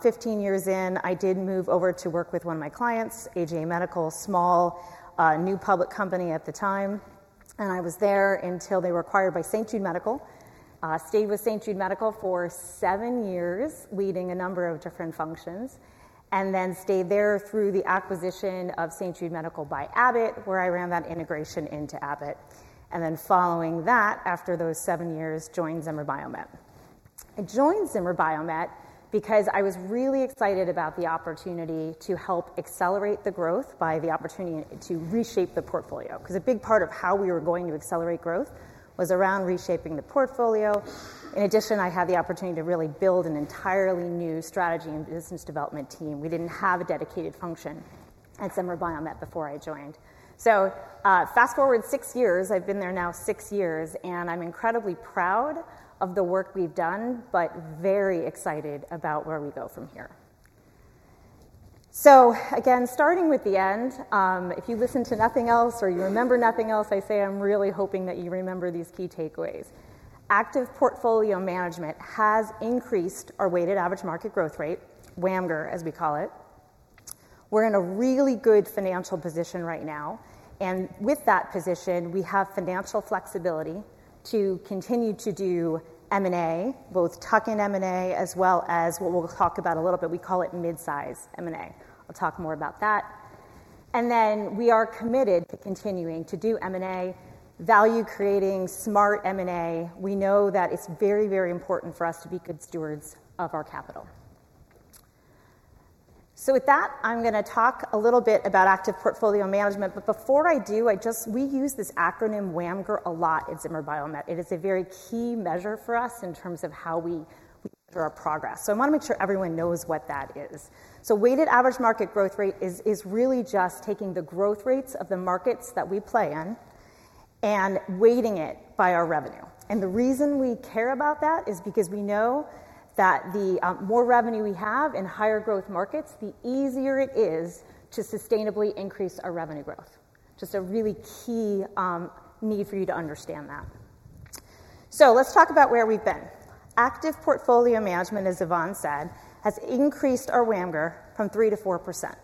15 years in, I did move over to work with one of my clients, AGA Medical, small, new public company at the time, and I was there until they were acquired by St. Jude Medical. Stayed with St. Jude Medical for 7 years, leading a number of different functions, and then stayed there through the acquisition of St. Jude Medical by Abbott, where I ran that integration into Abbott. Then following that, after those 7 years, joined Zimmer Biomet. I joined Zimmer Biomet because I was really excited about the opportunity to help accelerate the growth by the opportunity to reshape the portfolio, because a big part of how we were going to accelerate growth was around reshaping the portfolio. In addition, I had the opportunity to really build an entirely new strategy and business development team. We didn't have a dedicated function at Zimmer Biomet before I joined. So, fast-forward 6 years, I've been there now 6 years, and I'm incredibly proud of the work we've done, but very excited about where we go from here. So again, starting with the end, if you listen to nothing else or you remember nothing else, I say I'm really hoping that you remember these key takeaways. Active portfolio management has increased our weighted average market growth rate, WAMGR, as we call it. We're in a really good financial position right now, and with that position, we have financial flexibility to continue to do M&A, both tuck-in M&A, as well as what we'll talk about a little bit, we call it mid-size M&A. I'll talk more about that. And then we are committed to continuing to do M&A, value-creating, smart M&A. We know that it's very, very important for us to be good stewards of our capital. So with that, I'm going to talk a little bit about active portfolio management, but before I do, we use this acronym WAMGR a lot at Zimmer Biomet. It is a very key measure for us in terms of how we measure our progress. So I want to make sure everyone knows what that is. So weighted average market growth rate is really just taking the growth rates of the markets that we play in and weighting it by our revenue. And the reason we care about that is because we know that the more revenue we have in higher growth markets, the easier it is to sustainably increase our revenue growth. Just a really key need for you to understand that. So let's talk about where we've been. Active portfolio management, as Ivan said, has increased our WAMGR from 3%-4%,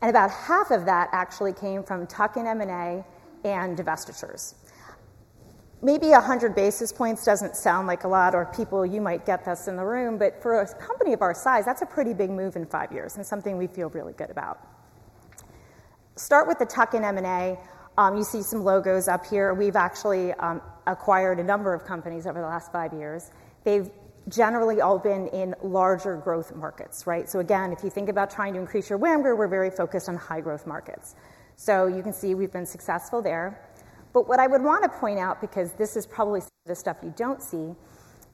and about half of that actually came from tuck-in M&A and divestitures. Maybe 100 basis points doesn't sound like a lot to people, you might get this in the room, but for a company of our size, that's a pretty big move in 5 years, and something we feel really good about. Start with the tuck-in M&A. You see some logos up here. We've actually acquired a number of companies over the last 5 years. They've generally all been in larger growth markets, right? So again, if you think about trying to increase your WAMGR, we're very focused on high growth markets. So you can see we've been successful there. But what I would want to point out, because this is probably some of the stuff you don't see-...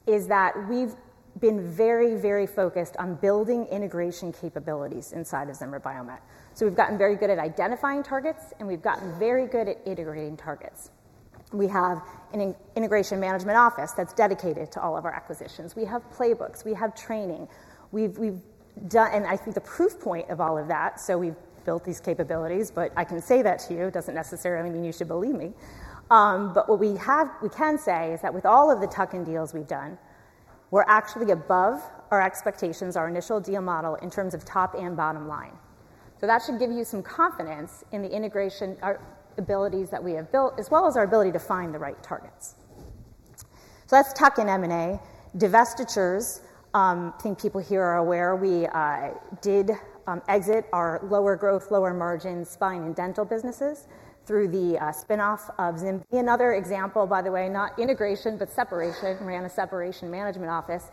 is that we've been very, very focused on building integration capabilities inside of Zimmer Biomet. So we've gotten very good at identifying targets, and we've gotten very good at integrating targets. We have an integration management office that's dedicated to all of our acquisitions. We have playbooks, we have training. I think the proof point of all of that, so we've built these capabilities, but I can say that to you, it doesn't necessarily mean you should believe me. But what we have-- we can say is that with all of the tuck-in deals we've done, we're actually above our expectations, our initial deal model, in terms of top and bottom line. So that should give you some confidence in the integration, our abilities that we have built, as well as our ability to find the right targets. So that's tuck-in M&A. Divestitures, I think people here are aware, we did exit our lower growth, lower margin spine and dental businesses through the spin-off of ZimVie. Another example, by the way, not integration, but separation, ran a separation management office,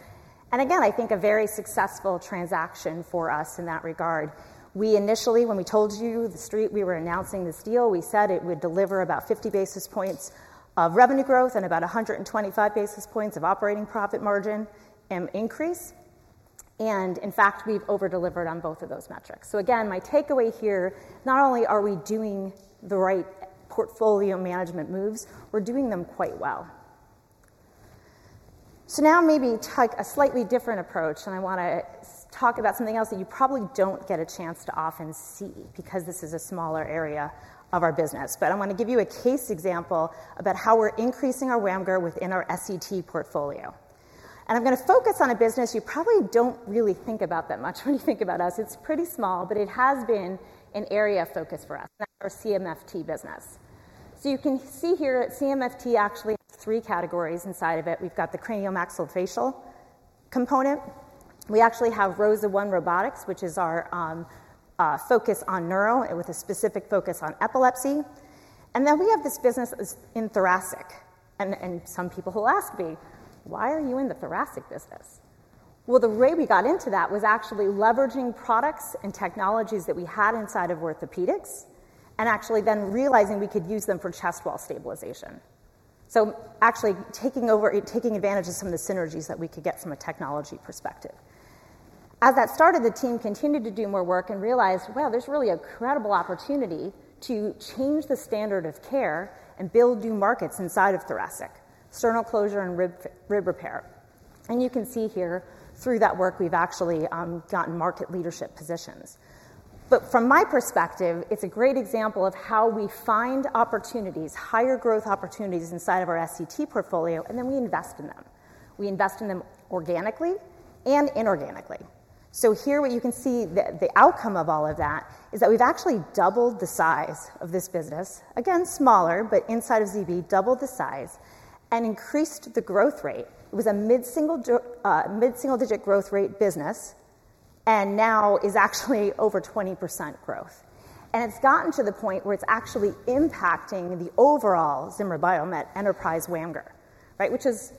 and again, I think a very successful transaction for us in that regard. We initially, when we told you, The Street, we were announcing this deal, we said it would deliver about 50 basis points of revenue growth and about 125 basis points of operating profit margin and increase. In fact, we've over-delivered on both of those metrics. So again, my takeaway here, not only are we doing the right portfolio management moves, we're doing them quite well. So now maybe take a slightly different approach, and I want to talk about something else that you probably don't get a chance to often see because this is a smaller area of our business. But I want to give you a case example about how we're increasing our WAMGR within our SET portfolio. And I'm going to focus on a business you probably don't really think about that much when you think about us. It's pretty small, but it has been an area of focus for us, and that's our CMFT business. So you can see here that CMFT actually has three categories inside of it. We've got the craniomaxillofacial component. We actually have ROSA ONE Robotics, which is our focus on neuro and with a specific focus on epilepsy. And then we have this business that's in thoracic. Some people will ask me, "Why are you in the thoracic business?" Well, the way we got into that was actually leveraging products and technologies that we had inside of orthopedics, and actually then realizing we could use them for chest wall stabilization. So actually taking advantage of some of the synergies that we could get from a technology perspective. As that started, the team continued to do more work and realized, wow, there's really incredible opportunity to change the standard of care and build new markets inside of thoracic, sternal closure and rib repair. You can see here, through that work, we've actually gotten market leadership positions. But from my perspective, it's a great example of how we find opportunities, higher growth opportunities inside of our SET portfolio, and then we invest in them. We invest in them organically and inorganically. So here what you can see, the outcome of all of that, is that we've actually doubled the size of this business. Again, smaller, but inside of ZB, doubled the size and increased the growth rate. It was a mid-single-digit growth rate business and now is actually over 20% growth. And it's gotten to the point where it's actually impacting the overall Zimmer Biomet enterprise WAMGR, right? Which is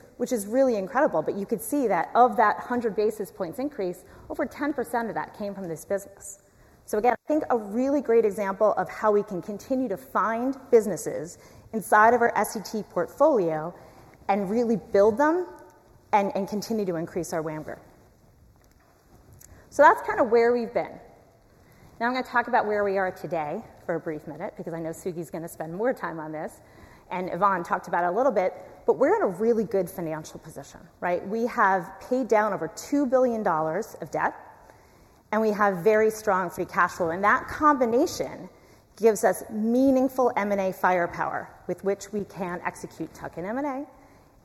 really incredible, but you could see that of that 100 basis points increase, over 10% of that came from this business. So again, I think a really great example of how we can continue to find businesses inside of our SET portfolio and really build them and continue to increase our WAMGR. So that's kind of where we've been. Now I'm going to talk about where we are today for a brief minute because I know Suky going to spend more time on this, and Ivan talked about it a little bit, but we're in a really good financial position, right? We have paid down over $2 billion of debt, and we have very strong free cash flow, and that combination gives us meaningful M&A firepower with which we can execute tuck-in M&A,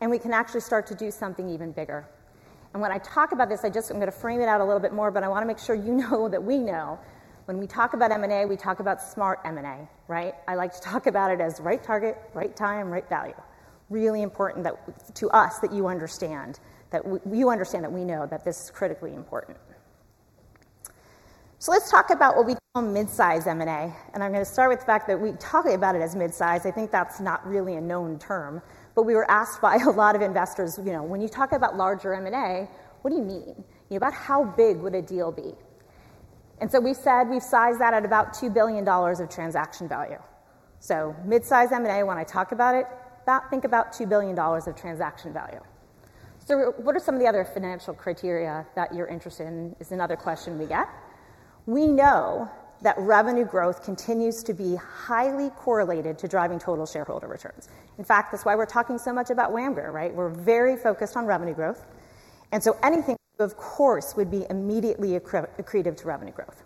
and we can actually start to do something even bigger. And when I talk about this, I just... I'm going to frame it out a little bit more, but I want to make sure you know that we know when we talk about M&A, we talk about smart M&A, right? I like to talk about it as right target, right time, right value. Really important that, to us, that you understand, that you understand that we know that this is critically important. So let's talk about what we call mid-size M&A, and I'm going to start with the fact that we talking about it as mid-size, I think that's not really a known term, but we were asked by a lot of investors, "You know, when you talk about larger M&A, what do you mean? About how big would a deal be?" And so we said we size that at about $2 billion of transaction value. So mid-size M&A, when I talk about it, about, think about $2 billion of transaction value. So what are some of the other financial criteria that you're interested in? Is another question we get. We know that revenue growth continues to be highly correlated to driving total shareholder returns. In fact, that's why we're talking so much about WAMGR, right? We're very focused on revenue growth, and so anything, of course, would be immediately accretive to revenue growth.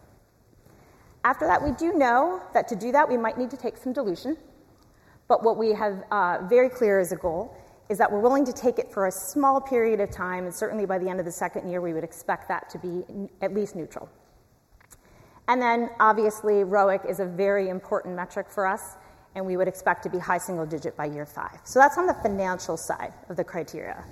After that, we do know that to do that, we might need to take some dilution, but what we have very clear as a goal is that we're willing to take it for a small period of time, and certainly by the end of the second year, we would expect that to be at least neutral. And then, obviously, ROIC is a very important metric for us, and we would expect to be high single digit by year five. So that's on the financial side of the criteria.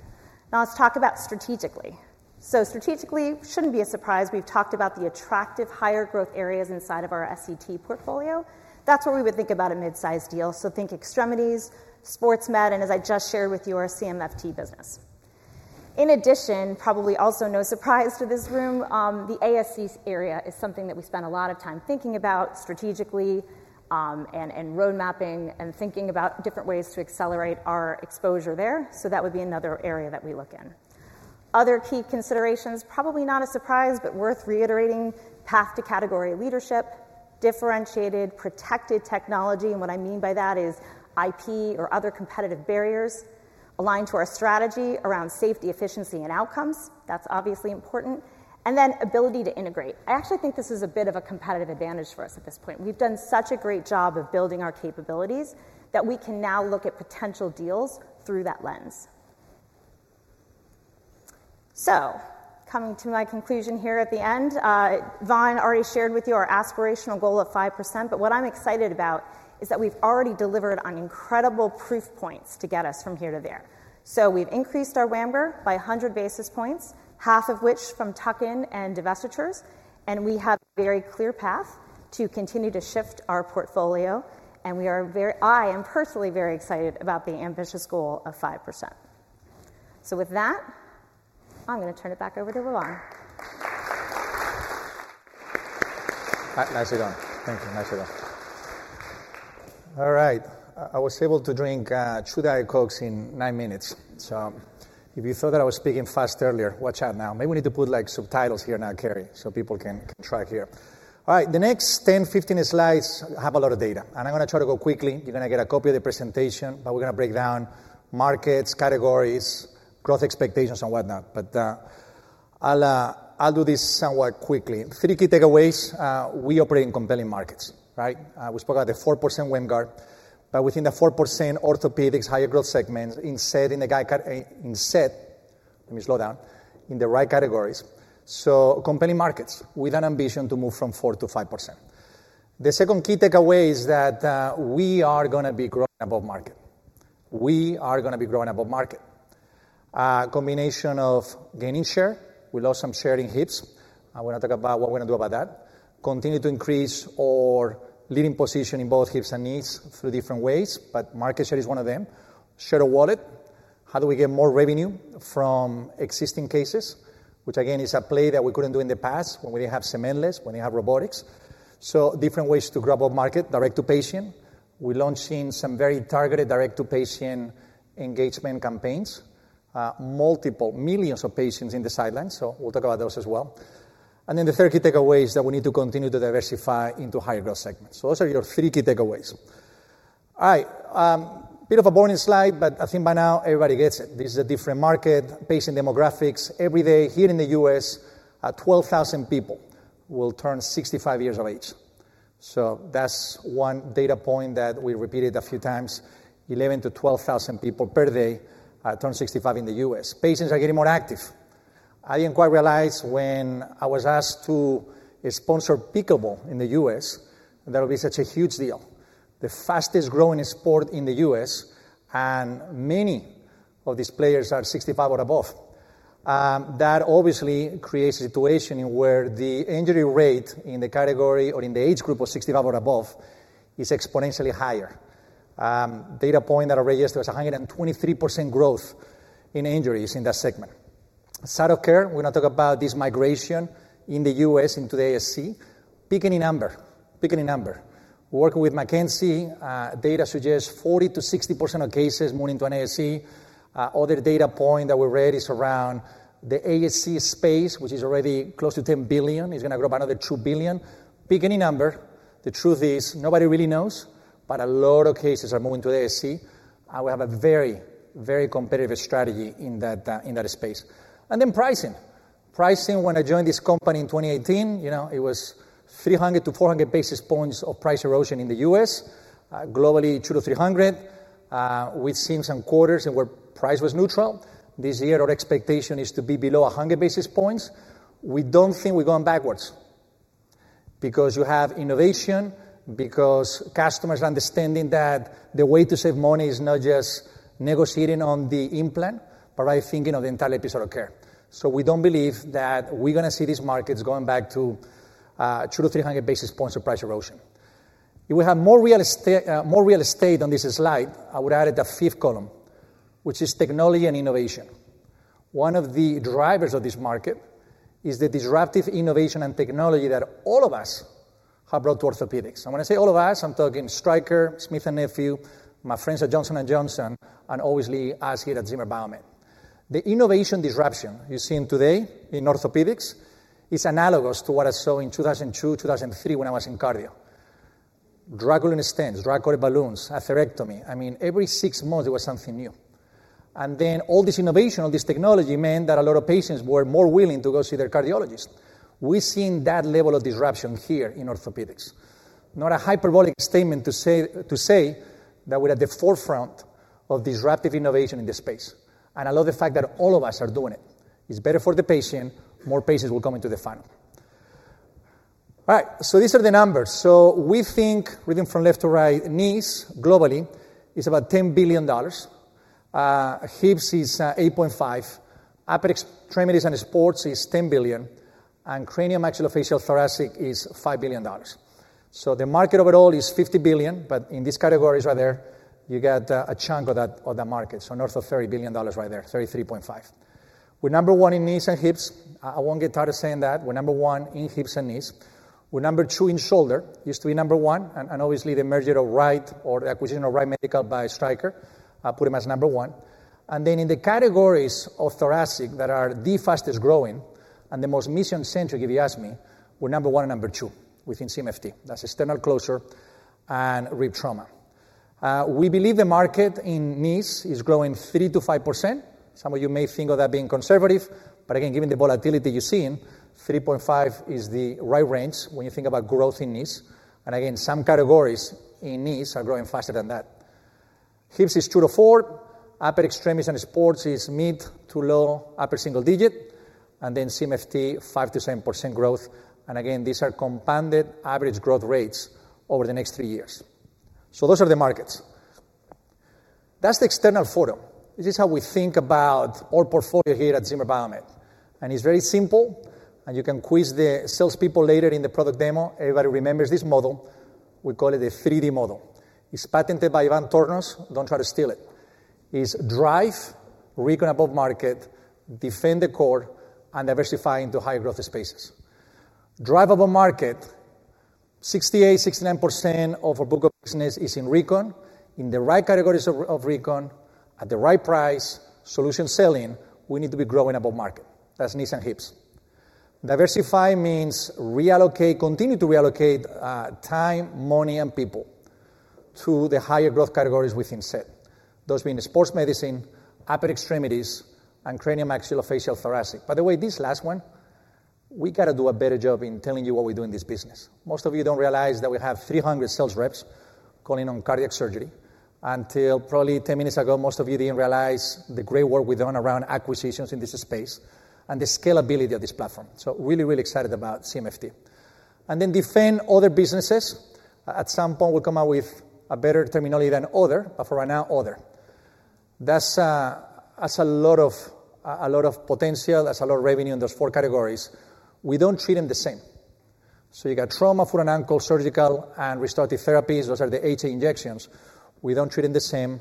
Now, let's talk about strategically. So strategically, shouldn't be a surprise, we've talked about the attractive higher growth areas inside of our SET portfolio. That's where we would think about a mid-size deal. So think extremities, sports med, and as I just shared with you, our CMFT business. In addition, probably also no surprise to this room, the ASC area is something that we spend a lot of time thinking about strategically, and road mapping and thinking about different ways to accelerate our exposure there. So that would be another area that we look in. Other key considerations, probably not a surprise, but worth reiterating, path to category leadership, differentiated, protected technology, and what I mean by that is IP or other competitive barriers aligned to our strategy around safety, efficiency, and outcomes. That's obviously important. And then ability to integrate. I actually think this is a bit of a competitive advantage for us at this point. We've done such a great job of building our capabilities, that we can now look at potential deals through that lens. So coming to my conclusion here at the end, Ivan already shared with you our aspirational goal of 5%, but what I'm excited about is that we've already delivered on incredible proof points to get us from here to there. So we've increased our WAMGR by 100 basis points, half of which from tuck-in and divestitures, and we have a very clear path to continue to shift our portfolio, and we are very, I am personally very excited about the ambitious goal of 5%. So with that, I'm going to turn it back over to Ivan. Nicely done. Thank you. Nicely done. All right, I was able to drink 2 Diet Cokes in 9 minutes. So if you thought that I was speaking fast earlier, watch out now. Maybe we need to put, like, subtitles here now, Keri, so people can track here. All right, the next 10, 15 slides have a lot of data, and I'm going to try to go quickly. You're going to get a copy of the presentation, but we're going to break down markets, categories, growth expectations, and whatnot. But, I'll, I'll do this somewhat quickly. Three key takeaways, we operate in compelling markets, right? We spoke about the 4% WAMGR, but within the 4% orthopedics, higher growth segments, instead, let me slow down, in the right categories. So compelling markets with an ambition to move from 4%-5%. The second key takeaway is that, we are going to be growing above market. We are going to be growing above market. Combination of gaining share, we lost some share in hips. I want to talk about what we're going to do about that. Continue to increase our leading position in both hips and knees through different ways, but market share is one of them. Share a wallet. How do we get more revenue from existing cases, which again, is a play that we couldn't do in the past when we didn't have cementless, when we didn't have robotics. So different ways to grow above market, direct-to-patient. We're launching some very targeted, direct-to-patient engagement campaigns, multiple millions of patients in the sidelines, so we'll talk about those as well. And then the third key takeaway is that we need to continue to diversify into higher growth segments. So those are your three key takeaways. All right, bit of a boring slide, but I think by now everybody gets it. This is a different market, patient demographics. Every day here in the U.S., 12,000 people will turn 65 years of age. So that's one data point that we repeated a few times. 11,000-12,000 people per day turn 65 in the U.S. Patients are getting more active. I didn't quite realize when I was asked to sponsor pickleball in the U.S., that it would be such a huge deal. The fastest-growing sport in the U.S., and many of these players are 65 or above. That obviously creates a situation where the injury rate in the category or in the age group of 65 or above is exponentially higher. Data point that I registered was a 123% growth in injuries in that segment. Site of care, we're going to talk about this migration in the U.S. into the ASC. Picking a number, picking a number. Working with McKinsey, data suggests 40%-60% of cases moving to an ASC. Other data point that we read is around the ASC space, which is already close to $10 billion, is going to grow by another $2 billion. Picking a number, the truth is nobody really knows, but a lot of cases are moving to the ASC, and we have a very, very competitive strategy in that, in that space. And then pricing. Pricing, when I joined this company in 2018, you know, it was 300-400 basis points of price erosion in the U.S., globally, 200-300. We've seen some quarters where price was neutral. This year, our expectation is to be below 100 basis points. We don't think we're going backwards because you have innovation, because customers understanding that the way to save money is not just negotiating on the implant, but by thinking of the entire episode of care. So we don't believe that we're going to see these markets going back to 200-300 basis points of price erosion. If we had more real estate on this slide, I would add a fifth column, which is technology and innovation. One of the drivers of this market is the disruptive innovation and technology that all of us have brought to orthopedics. When I say all of us, I'm talking Stryker, Smith & Nephew, my friends at Johnson & Johnson, and obviously us here at Zimmer Biomet. The innovation disruption you're seeing today in orthopedics is analogous to what I saw in 2002, 2003 when I was in cardio. Drug-eluting stents, drug-eluting balloons, atherectomy. I mean, every six months there was something new. All this innovation, all this technology meant that a lot of patients were more willing to go see their cardiologist. We've seen that level of disruption here in orthopedics. Not a hyperbolic statement to say that we're at the forefront of disruptive innovation in this space, and I love the fact that all of us are doing it. It's better for the patient. More patients will come into the funnel. All right, so these are the numbers. So we think, reading from left to right, knees globally is about $10 billion. Hips is $8.5 billion, upper extremities and sports is $10 billion, and craniomaxillofacial and thoracic is $5 billion. So the market overall is $50 billion, but in these categories right there, you get a chunk of that, of that market. So north of $30 billion right there, $33.5 billion. We're number one in knees and hips. I won't get tired of saying that. We're number one in hips and knees. We're number two in shoulder, used to be number one, and, and obviously the merger of Wright or the acquisition of Wright Medical by Stryker put them as number one. And then in the categories of thoracic that are the fastest growing and the most mission-centric, if you ask me, we're number one and number two within CMFT. That's a sternal closure and rib trauma. We believe the market in knees is growing 3%-5%. Some of you may think of that being conservative, but again, given the volatility you're seeing, 3.5 is the right range when you think about growth in knees, and again, some categories in knees are growing faster than that. Hips is 2%-4%, upper extremities and sports is mid- to low-single-digit, and then CMFT, 5%-7% growth. Again, these are compound annual growth rates over the next three years. So those are the markets. That's the external view. This is how we think about our portfolio here at Zimmer Biomet, and it's very simple, and you can quiz the salespeople later in the product demo. Everybody remembers this model. We call it a 3D model. It's patented by Ivan Tornos. Don't try to steal it. It's drive, recon above market, defend the core, and diversify into high growth spaces. Drive above market, 68%-69% of our book of business is in recon, in the right categories of recon, at the right price, solution selling, we need to be growing above market. That's knees and hips. Diversify means reallocate, continue to reallocate time, money, and people to the higher growth categories within SET. Those being sports medicine, upper extremities, and cranio-maxillofacial, thoracic. By the way, this last one, we got to do a better job in telling you what we do in this business. Most of you don't realize that we have 300 sales reps calling on cardiac surgery. Until probably 10 minutes ago, most of you didn't realize the great work we've done around acquisitions in this space and the scalability of this platform. So really, really excited about CMFT. And then the other businesses. At some point, we'll come out with a better terminology than other, but for right now, other. That's, that's a lot of, a lot of potential. That's a lot of revenue in those four categories. We don't treat them the same. So you got trauma foot and ankle, surgical and restorative therapies, those are the HA injections. We don't treat them the same.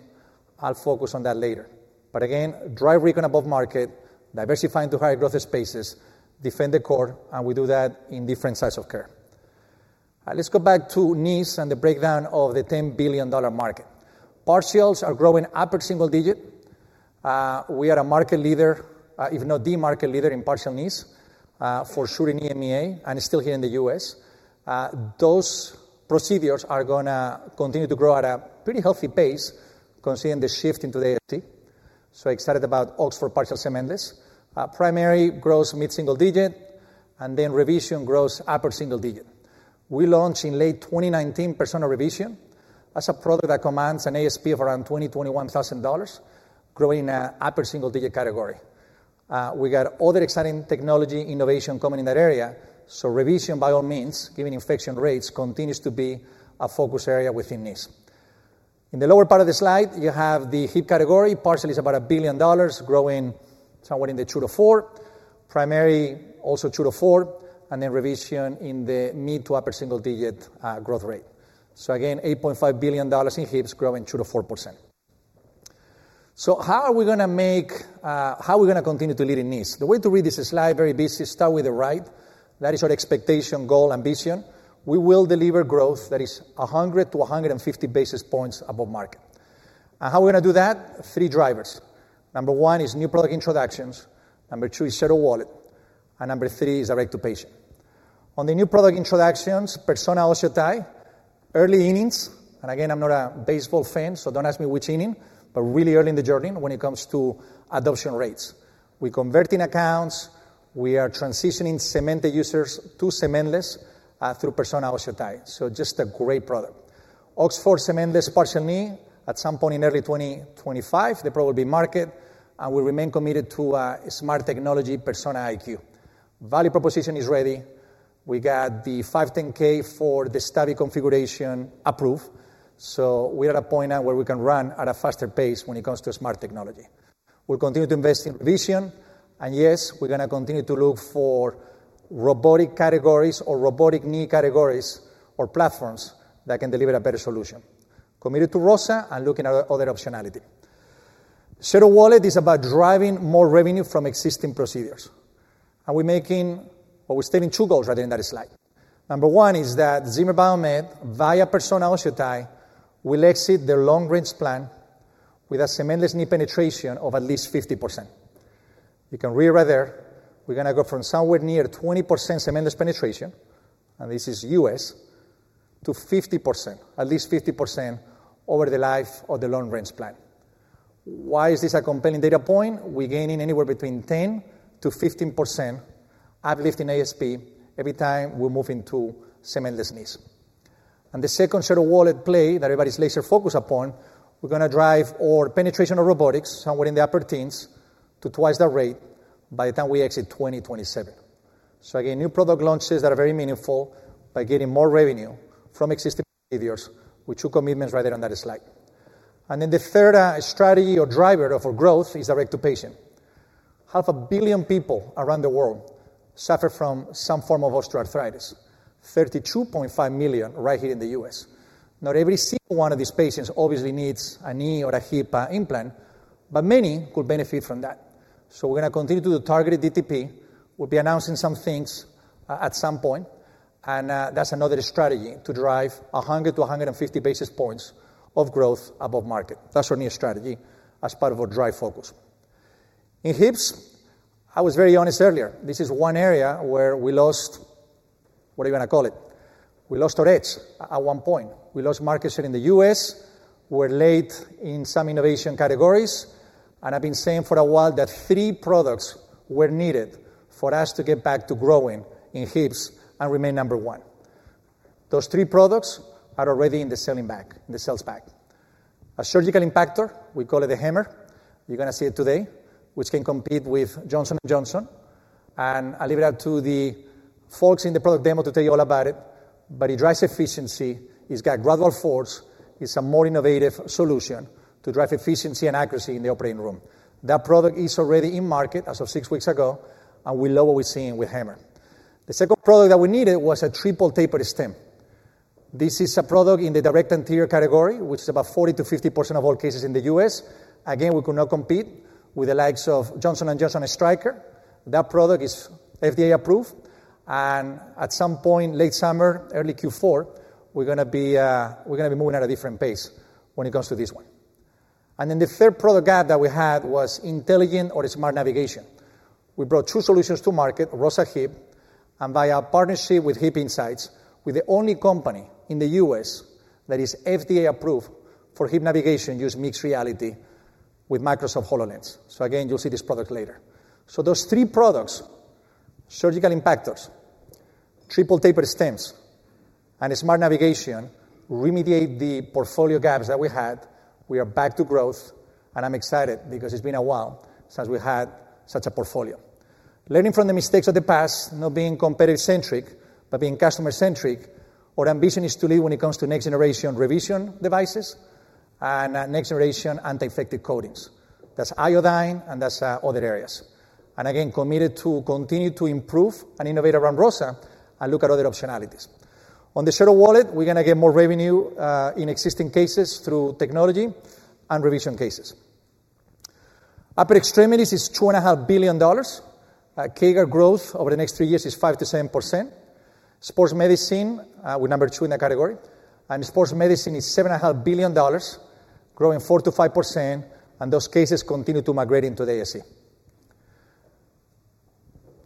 I'll focus on that later. But again, drive recon above market, diversifying to higher growth spaces, defend the core, and we do that in different sites of care. Let's go back to knees and the breakdown of the $10 billion market. Partials are growing upper single digit. We are a market leader, if not the market leader in partial knees, for sure in EMEA and still here in the US. Those procedures are going to continue to grow at a pretty healthy pace, considering the shift into the ASC. So excited about Oxford partial cementless. Primary grows mid-single digit, and then revision grows upper single digit. We launched in late 2019, Persona Revision. That's a product that commands an ASP of around $20,000-$21,000, growing a upper single digit category. We got other exciting technology innovation coming in that area, so revision, by all means, given infection rates, continues to be a focus area within knees. In the lower part of the slide, you have the hip category. Partial is about $1 billion, growing somewhere in the 2%-4%, primary also 2%-4%, and then revision in the mid- to upper-single-digit growth rate. So again, $8.5 billion in hips growing 2%-4%. So how are we going to make... How are we going to continue to lead in knees? The way to read this slide, very busy, start with the right. That is our expectation, goal, ambition. We will deliver growth that is 100-150 basis points above market. And how are we going to do that? Three drivers. Number one is new product introductions, number two is share of wallet, and number three is direct to patient. On the new product introductions, Persona OsseoTi, early innings, and again, I'm not a baseball fan, so don't ask me which inning, but really early in the journey when it comes to adoption rates. We're converting accounts, we are transitioning cemented users to cementless through Persona OsseoTi. So just a great product. Oxford cementless partial knee, at some point in early 2025, they'll probably be market, and we remain committed to smart technology, Persona IQ. Value proposition is ready. We got the 510(k) for the study configuration approved, so we are at a point now where we can run at a faster pace when it comes to smart technology. We'll continue to invest in revision, and yes, we're going to continue to look for robotic categories or robotic knee categories or platforms that can deliver a better solution. Committed to ROSA and looking at other optionality. Share of wallet is about driving more revenue from existing procedures. And we're making or we're stating two goals right there in that slide. Number one is that Zimmer Biomet, via Persona OsseoTi, will exit their long-range plan with a cementless knee penetration of at least 50%. You can read right there, we're going to go from somewhere near 20% cementless penetration, and this is US, to 50%, at least 50% over the life of the long-range plan. Why is this a compelling data point? We're gaining anywhere between 10%-15% uplift in ASP every time we move into cementless knees. The second share of wallet play that everybody's laser focused upon, we're going to drive our penetration of robotics somewhere in the upper teens to twice that rate by the time we exit 2027. So again, new product launches that are very meaningful by getting more revenue from existing procedures with two commitments right there on that slide. Then the third strategy or driver of our growth is direct to patient. 500 million people around the world suffer from some form of osteoarthritis, 32.5 million right here in the U.S. Not every single one of these patients obviously needs a knee or a hip implant, but many could benefit from that. So we're going to continue to do the targeted DTP. We'll be announcing some things at, at some point, and that's another strategy to drive 100-150 basis points of growth above market. That's our new strategy as part of our drive focus. In hips, I was very honest earlier. This is one area where we lost, what are you going to call it? We lost our edge at, at one point. We lost market share in the U.S., we're late in some innovation categories, and I've been saying for a while that three products were needed for us to get back to growing in hips and remain number one. Those three products are already in the selling bag, in the sales bag. A surgical impactor, we call it a HAMMR. You're going to see it today, which can compete with Johnson & Johnson. I leave it up to the folks in the product demo to tell you all about it, but it drives efficiency, it's got gradual force, it's a more innovative solution to drive efficiency and accuracy in the operating room. That product is already in market as of six weeks ago, and we love what we're seeing with HAMMR. The second product that we needed was a triple tapered stem. This is a product in the direct anterior category, which is about 40%-50% of all cases in the U.S. Again, we could not compete with the likes of Johnson & Johnson and Stryker. That product is FDA approved, and at some point, late summer, early Q4, we're going to be, we're going to be moving at a different pace when it comes to this one. And then the third product gap that we had was intelligent or smart navigation. We brought two solutions to market, ROSA Hip, and via a partnership with HipInsight, we're the only company in the U.S. that is FDA approved for hip navigation use mixed reality with Microsoft HoloLens. So again, you'll see this product later. So those three products, surgical impactors, triple tapered stems, and smart navigation, remediate the portfolio gaps that we had. We are back to growth, and I'm excited because it's been a while since we had such a portfolio. Learning from the mistakes of the past, not being competitive-centric, but being customer-centric, our ambition is to lead when it comes to next-generation revision devices and next-generation anti-infective coatings. That's iodine and that's other areas. And again, committed to continue to improve and innovate around ROSA and look at other optionalities. On the shoulder market, we're going to get more revenue in existing cases through technology and revision cases. Upper extremities is $2.5 billion. CAGR growth over the next 3 years is 5%-7%. Sports medicine, we're number two in that category, and sports medicine is $7.5 billion, growing 4%-5%, and those cases continue to migrate into the ASC.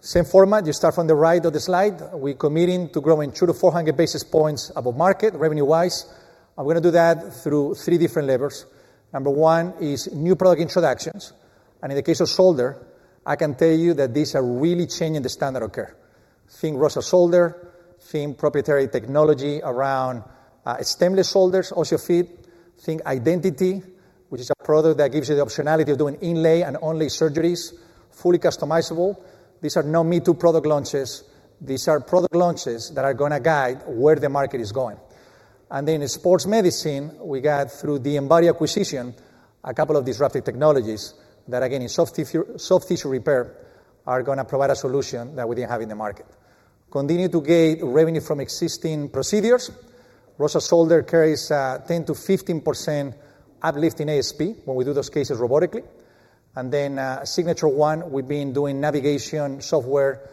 Same format, you start from the right of the slide. We're committing to growing 200-400 basis points above market, revenue-wise, and we're going to do that through three different levels. Number one is new product introductions, and in the case of shoulder, I can tell you that these are really changing the standard of care. Think ROSA Shoulder, think proprietary technology around stemless shoulders, OsseoTi, think Identity, which is a product that gives you the optionality of doing inlay and onlay surgeries, fully customizable. These are no me-too product launches. These are product launches that are going to guide where the market is going. And then in sports medicine, we got through the Embody acquisition, a couple of disruptive technologies that, again, in soft tissue, soft tissue repair, are going to provide a solution that we didn't have in the market. Continue to gain revenue from existing procedures. ROSA Shoulder carries 10%-15% uplift in ASP when we do those cases robotically. And then, Signature ONE, we've been doing navigation software,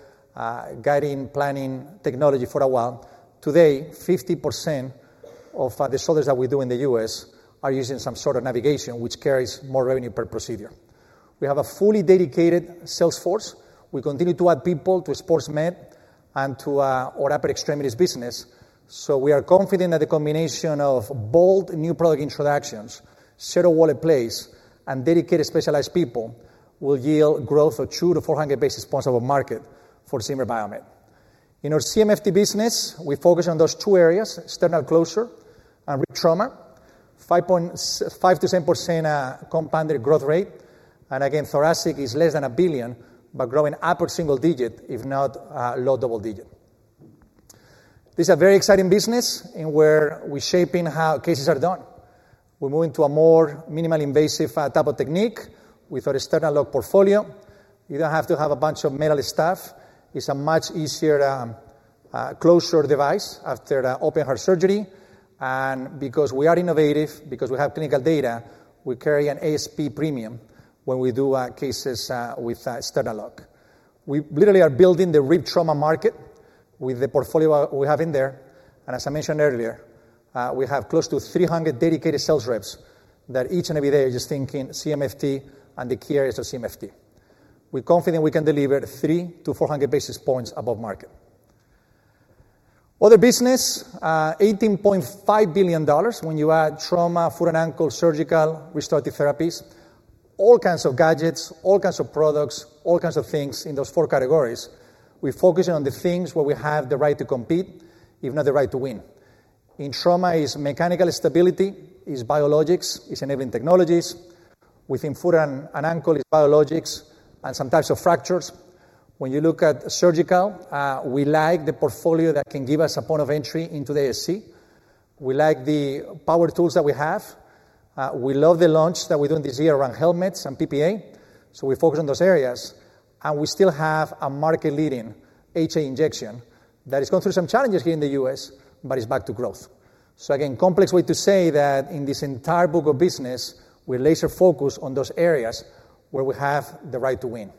guiding, planning technology for a while. Today, 50% of the shoulders that we do in the U.S. are using some sort of navigation, which carries more revenue per procedure. We have a fully dedicated sales force. We continue to add people to sports med and to our upper extremities business. So we are confident that the combination of bold new product introductions, share of wallet plays, and dedicated, specialized people will yield growth of 200-400 basis points over market for Zimmer Biomet. In our CMFT business, we focus on those two areas, sternal closure and rib trauma, 5%-10% compounded growth rate. And again, thoracic is less than $1 billion, but growing upper single digit, if not low double digit. This is a very exciting business in where we're shaping how cases are done. We're moving to a more minimally invasive, type of technique with our SternaLock portfolio. You don't have to have a bunch of metal stuff. It's a much easier, closure device after the open heart surgery, and because we are innovative, because we have clinical data, we carry an ASP premium when we do cases with SternaLock. We literally are building the rib trauma market with the portfolio we have in there, and as I mentioned earlier, we have close to 300 dedicated sales reps that each and every day are just thinking CMFT and the key areas of CMFT. We're confident we can deliver 300-400 basis points above market. Other business, $18.5 billion when you add trauma, foot and ankle, surgical, restorative therapies, all kinds of gadgets, all kinds of products, all kinds of things in those four categories. We're focusing on the things where we have the right to compete, if not the right to win. In trauma, it's mechanical stability, it's biologics, it's enabling technologies. Within foot and ankle, it's biologics and some types of fractures. When you look at surgical, we like the portfolio that can give us a point of entry into the ASC. We like the power tools that we have. We love the launch that we're doing this year around helmets and PPE, so we focus on those areas, and we still have a market-leading HA injection that is going through some challenges here in the U.S., but it's back to growth. So again, complex way to say that in this entire book of business, we laser focus on those areas where we have the right to win.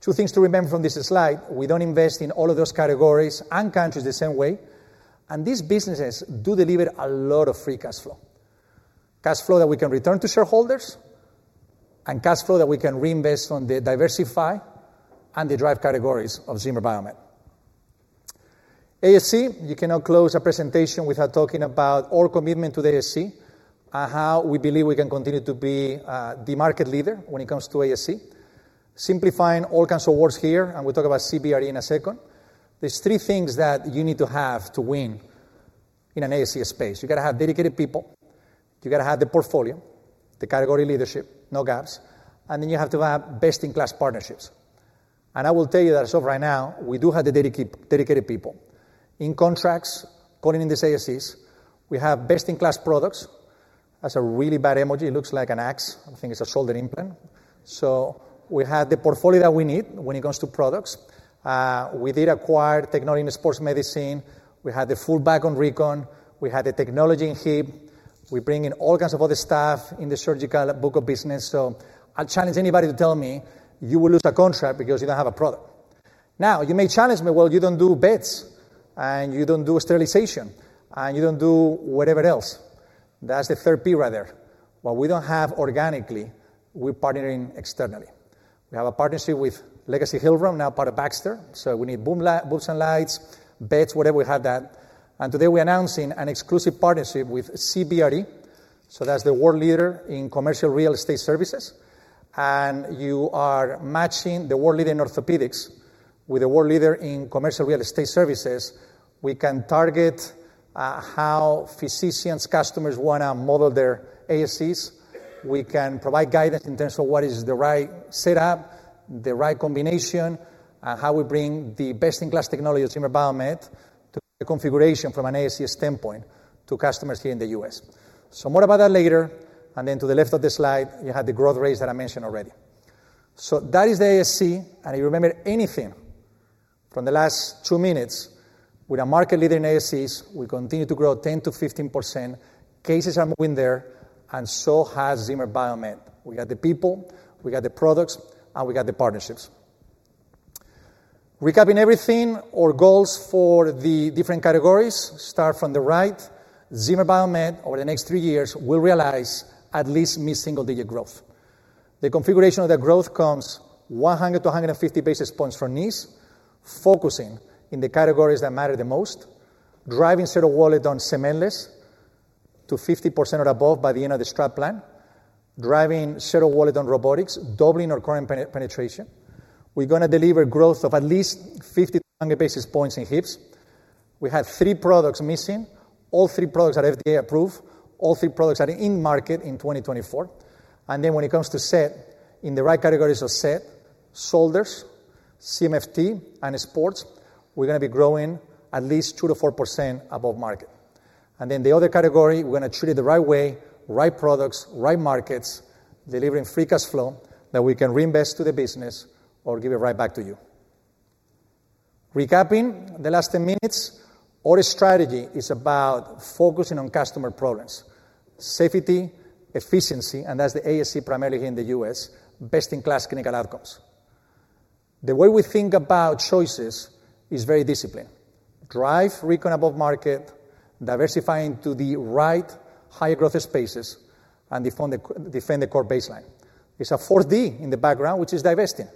Two things to remember from this slide: we don't invest in all of those categories and countries the same way, and these businesses do deliver a lot of free cash flow. Cash flow that we can return to shareholders, and cash flow that we can reinvest on the diversify and the drive categories of Zimmer Biomet. ASC, you cannot close a presentation without talking about our commitment to the ASC, and how we believe we can continue to be the market leader when it comes to ASC. Simplifying all kinds of words here, and we'll talk about CBRE in a second. There's three things that you need to have to win in an ASC space. You got to have dedicated people, you got to have the portfolio, the category leadership, no gaps, and then you have to have best-in-class partnerships. I will tell you that as of right now, we do have the dedicated, dedicated people. In contracts, calling in these ASCs, we have best-in-class products. That's a really bad emoji. It looks like an axe. I think it's a shoulder implant. We have the portfolio that we need when it comes to products. We did acquire technology in sports medicine. We had the full bag on recon, we had the technology in hip. We bring in all kinds of other stuff in the surgical book of business, so I'll challenge anybody to tell me you will lose a contract because you don't have a product. Now, you may challenge me, "Well, you don't do beds, and you don't do sterilization, and you don't do whatever else." That's the third P right there. What we don't have organically, we're partnering externally. We have a partnership with Legacy Hillrom, now part of Baxter, so we need booms and lights, beds, whatever, we have that. And today, we're announcing an exclusive partnership with CBRE, so that's the world leader in commercial real estate services. And you are matching the world leader in orthopedics with the world leader in commercial real estate services. We can target how physicians, customers want to model their ASCs. We can provide guidance in terms of what is the right setup, the right combination, and how we bring the best-in-class technology of Zimmer Biomet to the configuration from an ASC standpoint to customers here in the US. So more about that later, and then to the left of the slide, you have the growth rates that I mentioned already. So that is the ASC, and you remember anything from the last two minutes, we are market leader in ASCs. We continue to grow 10%-15%. Cases are moving there, and so has Zimmer Biomet. We got the people, we got the products, and we got the partnerships. Recapping everything, our goals for the different categories start from the right. Zimmer Biomet, over the next three years, will realize at least mid-single digit growth. The configuration of the growth comes 100-150 basis points from knees, focusing in the categories that matter the most, driving share of wallet on cementless to 50% or above by the end of the strat plan, driving share of wallet on robotics, doubling our current penetration. We're going to deliver growth of at least 50-100 basis points in hips. We have three products missing. All three products are FDA-approved. All three products are in market in 2024. And then when it comes to SET, in the right categories of SET, shoulders, CMFT, and sports, we're going to be growing at least 2%-4% above market. And then the other category, we're going to treat it the right way, right products, right markets, delivering free cash flow that we can reinvest to the business or give it right back to you. Recapping the last 10 minutes, our strategy is about focusing on customer problems: safety, efficiency, and that's the ASC primarily here in the U.S., best-in-class clinical outcomes. The way we think about choices is very disciplined. Drive recon above market, diversifying to the right high-growth spaces, and defend the core baseline. There's a fourth D in the background, which is divesting.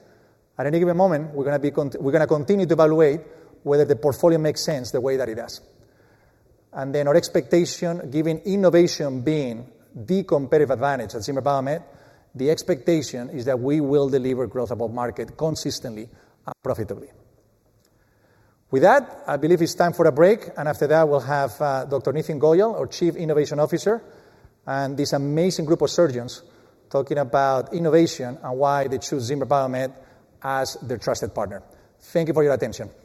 At any given moment, we're going to continue to evaluate whether the portfolio makes sense the way that it does. And then our expectation, given innovation being the competitive advantage at Zimmer Biomet, the expectation is that we will deliver growth above market consistently and profitably. With that, I believe it's time for a break, and after that, we'll have Dr. Nitin Goyal, our Chief Innovation Officer, and this amazing group of surgeons talking about innovation and why they choose Zimmer Biomet as their trusted partner. Thank you for your attention.